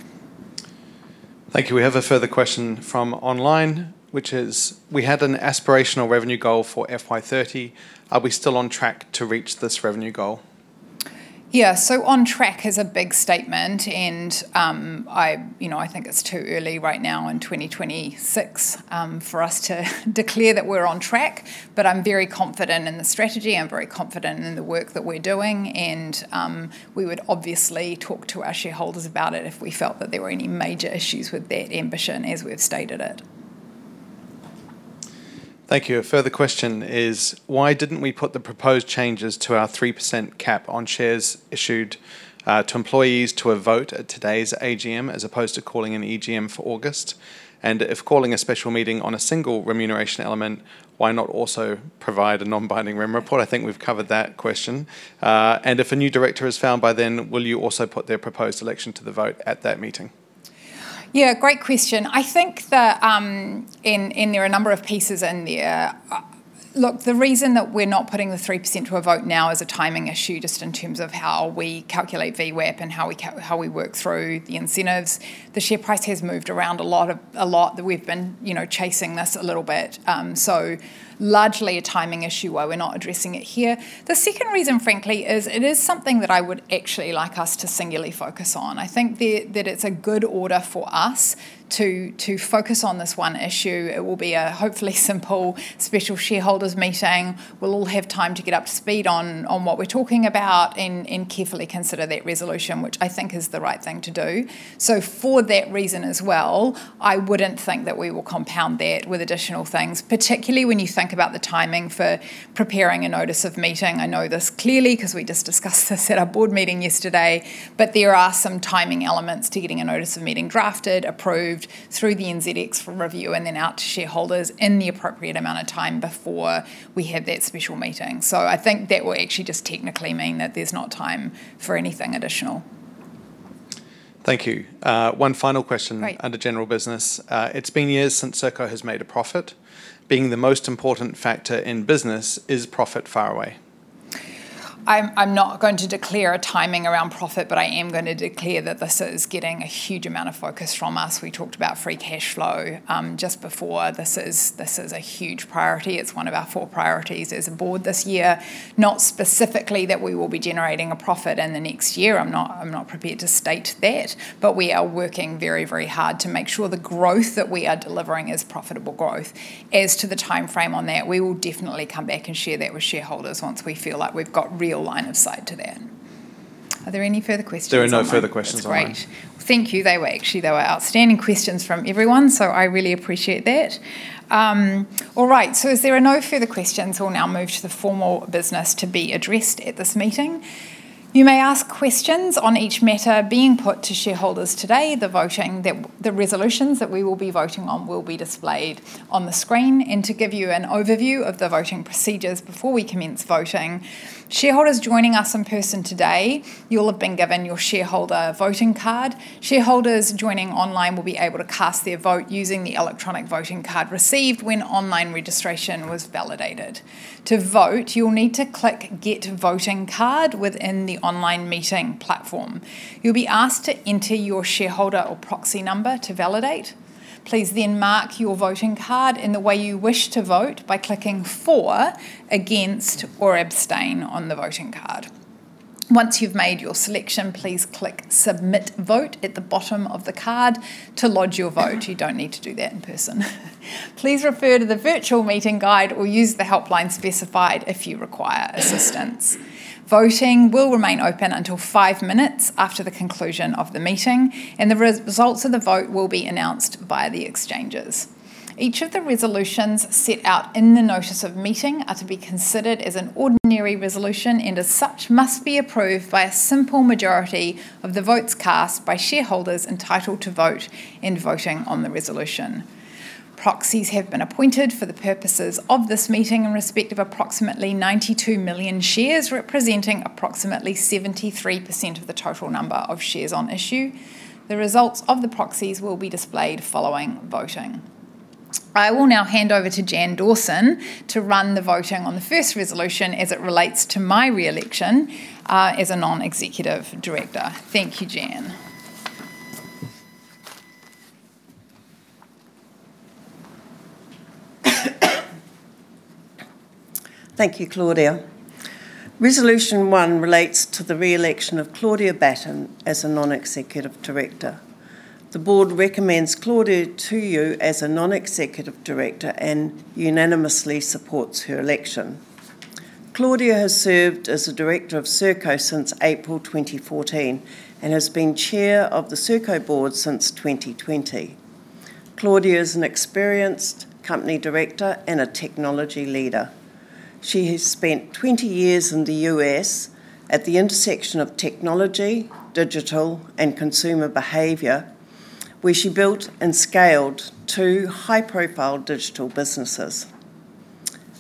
Thank you. We have a further question from online, which is: We had an aspirational revenue goal for FY 2030. Are we still on track to reach this revenue goal?
Yeah, "on track" is a big statement, and I think it's too early right now in 2026 for us to declare that we're on track. I'm very confident in the strategy. I'm very confident in the work that we're doing, and we would obviously talk to our shareholders about it if we felt that there were any major issues with that ambition as we've stated it.
Thank you. A further question is: Why didn't we put the proposed changes to our 3% cap on shares issued to employees to a vote at today's AGM as opposed to calling an EGM for August? If calling a special meeting on a single remuneration element, why not also provide a non-binding REM report? I think we've covered that question. If a new director is found by then, will you also put their proposed election to the vote at that meeting?
Yeah, great question. There are a number of pieces in there. Look, the reason that we're not putting the 3% to a vote now is a timing issue, just in terms of how we calculate VWAP and how we work through the incentives. The share price has moved around a lot. We've been chasing this a little bit. Largely a timing issue why we're not addressing it here. The second reason, frankly, is it is something that I would actually like us to singularly focus on. I think that it's a good order for us to focus on this one issue. It will be a, hopefully, simple special shareholders meeting. We'll all have time to get up to speed on what we're talking about and carefully consider that resolution, which I think is the right thing to do. For that reason as well, I wouldn't think that we will compound that with additional things, particularly when you think about the timing for preparing a notice of meeting. I know this clearly because we just discussed this at our board meeting yesterday. There are some timing elements to getting a notice of meeting drafted, approved through the NZX for review, and then out to shareholders in the appropriate amount of time before we have that special meeting. I think that will actually just technically mean that there's no time for anything additional.
Thank you. One final question under general business. It's been years since Serko has made a profit. Being the most important factor in business, is profit far away?
I'm not going to declare a timing around profit, but I am going to declare that this is getting a huge amount of focus from us. We talked about free cash flow just before. This is a huge priority. It's one of our four priorities as a board this year. Not specifically that we will be generating a profit in the next year, I'm not prepared to state that, but we are working very hard to make sure the growth that we are delivering is profitable growth. As to the timeframe on that, we will definitely come back and share that with shareholders once we feel like we've got real line of sight to that. Are there any further questions online?
There are no further questions online.
That's great. Thank you. They were outstanding questions from everyone. I really appreciate that. All right. As there are no further questions, we'll now move to the formal business to be addressed at this meeting. You may ask questions on each matter being put to shareholders today. The resolutions that we will be voting on will be displayed on the screen. To give you an overview of the voting procedures before we commence voting, shareholders joining us in person today, you'll have been given your shareholder voting card. Shareholders joining online will be able to cast their vote using the electronic voting card received when online registration was validated. To vote, you'll need to click Get Voting Card within the online meeting platform. You'll be asked to enter your shareholder or proxy number to validate. Please mark your voting card in the way you wish to vote by clicking For, Against, or Abstain on the voting card. Once you've made your selection, please click Submit Vote at the bottom of the card to lodge your vote. You don't need to do that in person. Please refer to the virtual meeting guide or use the helpline specified if you require assistance. Voting will remain open until five minutes after the conclusion of the meeting. The results of the vote will be announced via the exchanges. Each of the resolutions set out in the notice of meeting are to be considered as an ordinary resolution. As such, must be approved by a simple majority of the votes cast by shareholders entitled to vote and voting on the resolution. Proxies have been appointed for the purposes of this meeting in respect of approximately 92 million shares, representing approximately 73% of the total number of shares on issue. The results of the proxies will be displayed following voting. I will now hand over to Jan Dawson to run the voting on the first resolution as it relates to my re-election as a non-executive director. Thank you, Jan.
Thank you, Claudia. Resolution 1 relates to the re-election of Claudia Batten as a non-executive director. The board recommends Claudia to you as a non-executive director and unanimously supports her election. Claudia has served as a director of Serko since April 2014 and has been chair of the Serko board since 2020. Claudia is an experienced company director and a technology leader. She has spent 20 years in the U.S. at the intersection of technology, digital, and consumer behavior, where she built and scaled two high-profile digital businesses.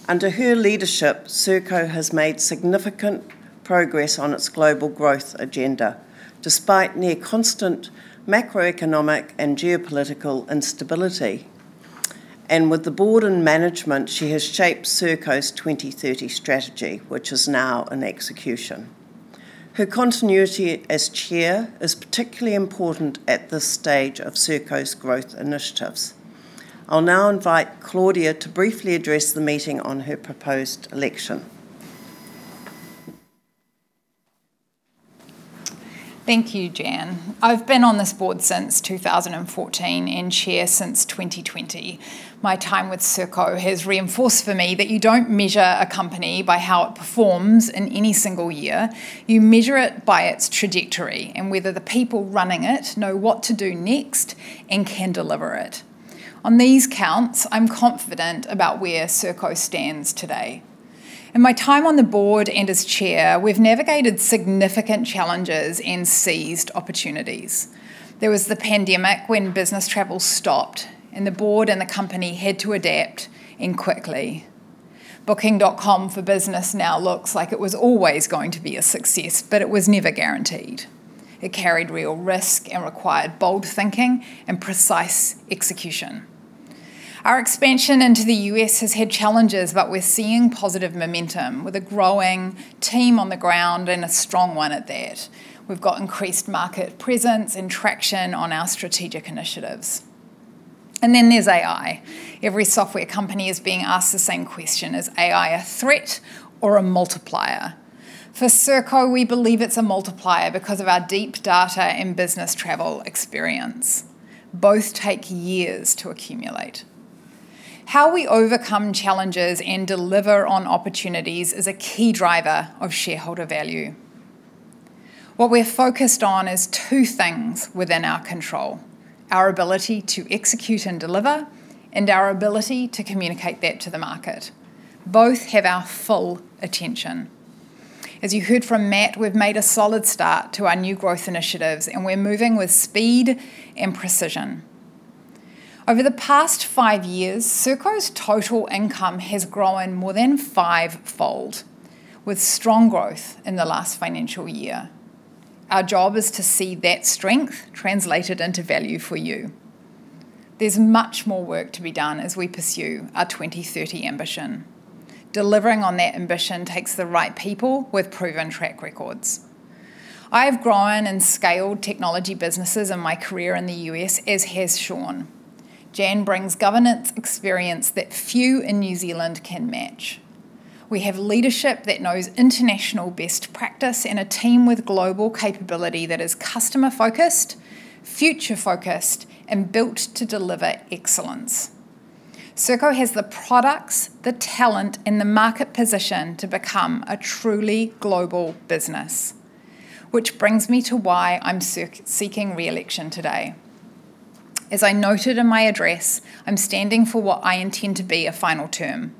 Under her leadership, Serko has made significant progress on its global growth agenda, despite near constant macroeconomic and geopolitical instability. With the board and management, she has shaped Serko's 2030 strategy, which is now in execution. Her continuity as chair is particularly important at this stage of Serko's growth initiatives. I'll now invite Claudia to briefly address the meeting on her proposed election.
Thank you, Jan. I've been on this board since 2014 and chair since 2020. My time with Serko has reinforced for me that you don't measure a company by how it performs in any single year. You measure it by its trajectory and whether the people running it know what to do next and can deliver it. On these counts, I'm confident about where Serko stands today. In my time on the board and as chair, we've navigated significant challenges and seized opportunities. There was the pandemic, when business travel stopped, and the board and the company had to adapt, and quickly. Booking.com for Business now looks like it was always going to be a success, but it was never guaranteed. It carried real risk and required bold thinking and precise execution. Our expansion into the U.S. has had challenges, but we're seeing positive momentum, with a growing team on the ground, and a strong one at that. We've got increased market presence and traction on our strategic initiatives. There's AI. Every software company is being asked the same question, is AI a threat or a multiplier? For Serko, we believe it's a multiplier because of our deep data and business travel experience. Both take years to accumulate. How we overcome challenges and deliver on opportunities is a key driver of shareholder value. What we're focused on is two things within our control, our ability to execute and deliver, and our ability to communicate that to the market. Both have our full attention. As you heard from Matt, we've made a solid start to our new growth initiatives, and we're moving with speed and precision. Over the past five years, Serko's total income has grown more than fivefold, with strong growth in the last financial year. Our job is to see that strength translated into value for you. There's much more work to be done as we pursue our 2030 ambition. Delivering on that ambition takes the right people with proven track records. I have grown and scaled technology businesses in my career in the U.S., as has Sean. Jan brings governance experience that few in New Zealand can match. We have leadership that knows international best practice and a team with global capability that is customer-focused, future-focused, and built to deliver excellence. Serko has the products, the talent, and the market position to become a truly global business. Which brings me to why I'm seeking re-election today. As I noted in my address, I'm standing for what I intend to be a final term.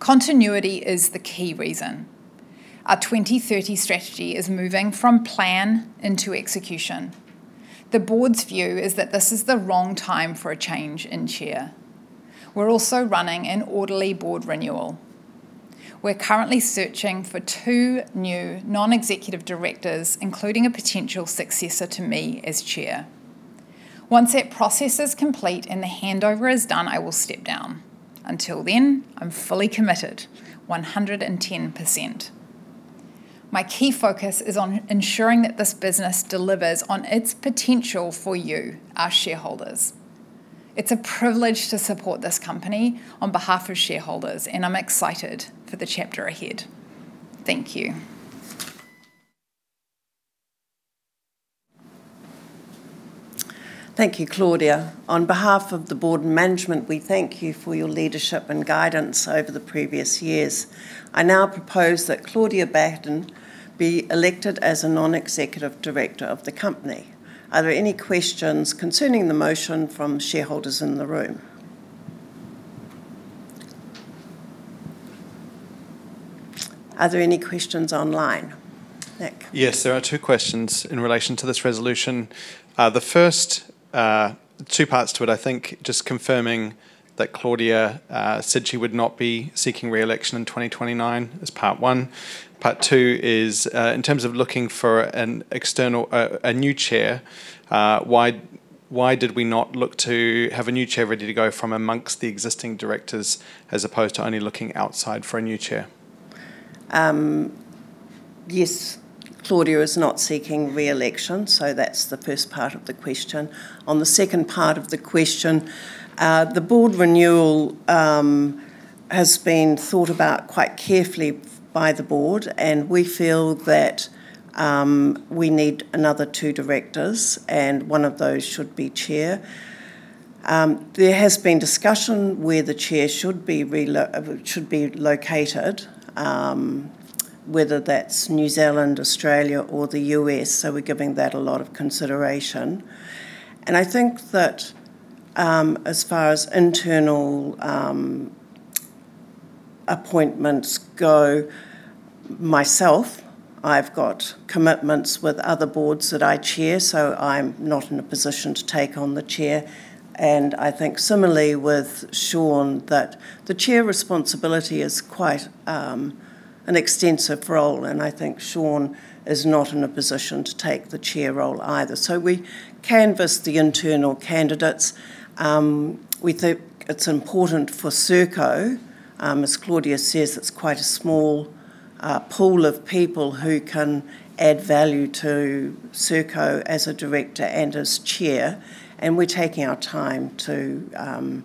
Continuity is the key reason. Our 2030 Strategy is moving from plan into execution. The board's view is that this is the wrong time for a change in chair. We're also running an orderly board renewal. We're currently searching for two new non-executive directors, including a potential successor to me as chair. Once that process is complete and the handover is done, I will step down. Until then, I'm fully committed, 110%. My key focus is on ensuring that this business delivers on its potential for you, our shareholders. It's a privilege to support this company on behalf of shareholders, and I'm excited for the chapter ahead. Thank you.
Thank you, Claudia. On behalf of the board and management, we thank you for your leadership and guidance over the previous years. I now propose that Claudia Batten be elected as a non-executive director of the company. Are there any questions concerning the motion from shareholders in the room? Are there any questions online? Nick.
Yes. There are two questions in relation to this resolution. The first, two parts to it, I think, just confirming that Claudia said she would not be seeking re-election in 2029 is part one. Part two is, in terms of looking for a new chair, why did we not look to have a new chair ready to go from amongst the existing directors as opposed to only looking outside for a new chair?
Yes, Claudia is not seeking re-election, so that's the first part of the question. On the second part of the question, the board renewal has been thought about quite carefully by the board, and we feel that we need another two directors, and one of those should be chair. There has been discussion where the chair should be located, whether that's New Zealand, Australia, or the U.S., so we're giving that a lot of consideration. I think that as far as internal appointments go, myself, I've got commitments with other boards that I chair, so I'm not in a position to take on the chair. I think similarly with Sean, that the chair responsibility is quite an extensive role, and I think Sean is not in a position to take the chair role either. We canvassed the internal candidates. We think it's important for Serko, as Claudia says, it's quite a small pool of people who can add value to Serko as a director and as chair, and we're taking our time to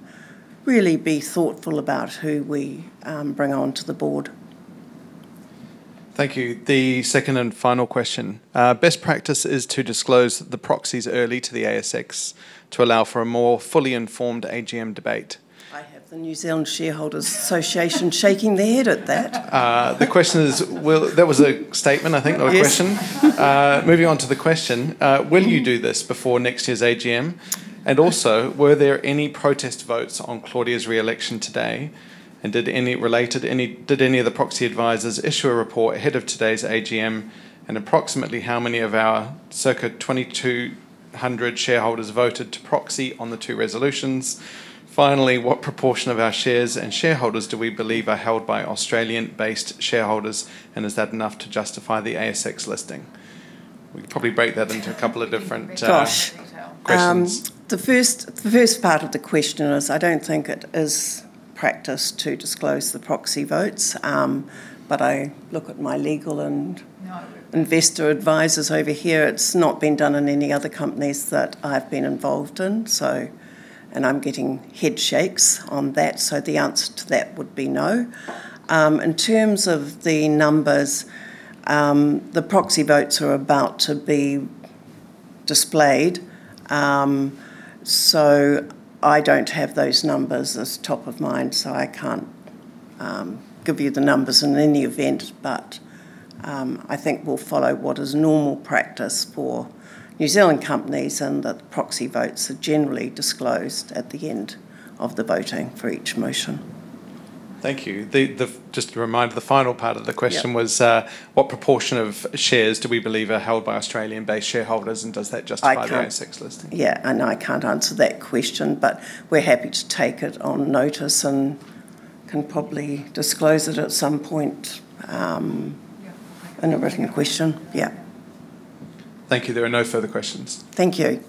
really be thoughtful about who we bring onto the board.
Thank you. The second and final question. Best practice is to disclose the proxies early to the ASX to allow for a more fully informed AGM debate.
I have the New Zealand Shareholders' Association shaking their head at that.
That was a statement, I think, not a question. Moving on to the question. Will you do this before next year's AGM? Were there any protest votes on Claudia's re-election today? Did any of the proxy advisors issue a report ahead of today's AGM? Approximately how many of our circa 2,200 shareholders voted to proxy on the two resolutions? What proportion of our shares and shareholders do we believe are held by Australian-based shareholders, and is that enough to justify the ASX listing?
Gosh. The first part of the question is, I don't think it is practice to disclose the proxy votes. Look at my legal and investor advisors over here. It's not been done in any other companies that I've been involved in. I'm getting head shakes on that, so the answer to that would be no. In terms of the numbers, the proxy votes are about to be displayed. I don't have those numbers as top of mind, so I can't give you the numbers in any event. I think we'll follow what is normal practice for New Zealand companies, and that proxy votes are generally disclosed at the end of the voting for each motion.
Thank you. Just a reminder, the final part of the question was what proportion of shares do we believe are held by Australian-based shareholders, and does that justify the ASX listing?
I can't. I know I can't answer that question, but we're happy to take it on notice and can probably disclose it at some point in a written question.
Thank you. There are no further questions.
Thank you.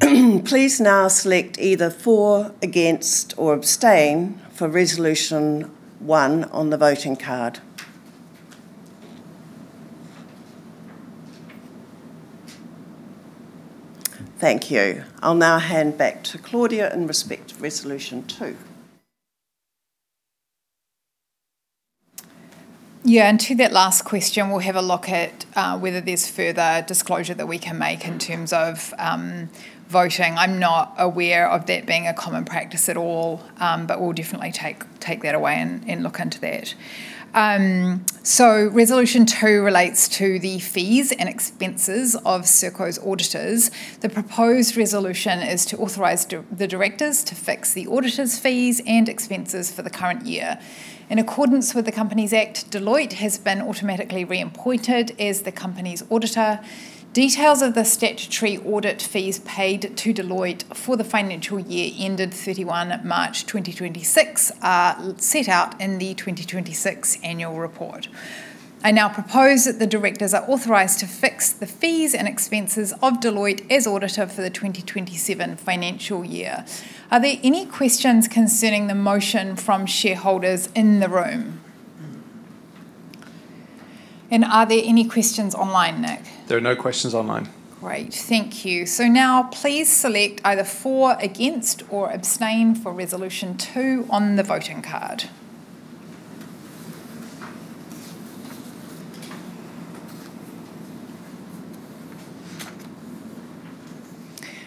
Please now select either for, against, or abstain for resolution one on the voting card. Thank you. I'll now hand back to Claudia in respect to resolution two.
Yeah, to that last question, we'll have a look at whether there's further disclosure that we can make in terms of voting. I'm not aware of that being a common practice at all, but we'll definitely take that away and look into that. Resolution two relates to the fees and expenses of Serko's auditors. The proposed resolution is to authorize the directors to fix the auditors' fees and expenses for the current year. In accordance with the Companies Act, Deloitte has been automatically reappointed as the company's auditor. Details of the statutory audit fees paid to Deloitte for the financial year ended 31 March 2026 are set out in the 2026 annual report. I now propose that the directors are authorized to fix the fees and expenses of Deloitte as auditor for the 2027 financial year. Are there any questions concerning the motion from shareholders in the room? Are there any questions online, Nick?
There are no questions online.
Great. Thank you. Now please select either for, against, or abstain for resolution two on the voting card.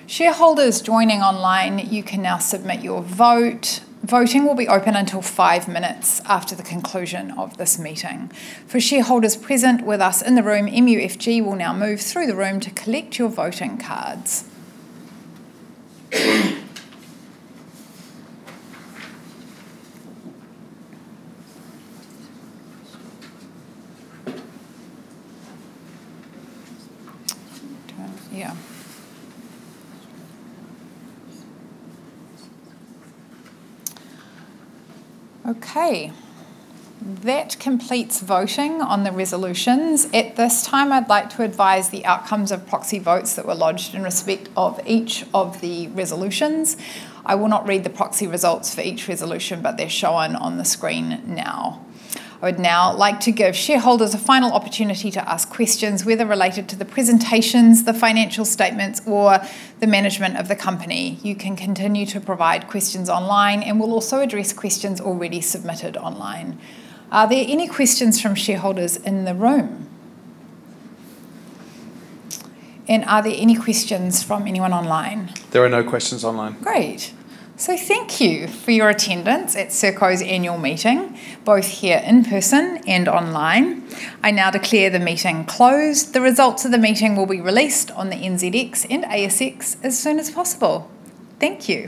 Shareholders joining online, you can now submit your vote. Voting will be open until five minutes after the conclusion of this meeting. For shareholders present with us in the room, MUFG will now move through the room to collect your voting cards. Yeah. Okay. That completes voting on the resolutions. At this time, I'd like to advise the outcomes of proxy votes that were lodged in respect of each of the resolutions. I will not read the proxy results for each resolution, they're shown on the screen now. I would now like to give shareholders a final opportunity to ask questions, whether related to the presentations, the financial statements, or the management of the company. You can continue to provide questions online, and we'll also address questions already submitted online. Are there any questions from shareholders in the room? Are there any questions from anyone online?
There are no questions online.
Great. Thank you for your attendance at Serko's annual meeting, both here in person and online. I now declare the meeting closed. The results of the meeting will be released on the NZX and ASX as soon as possible. Thank you.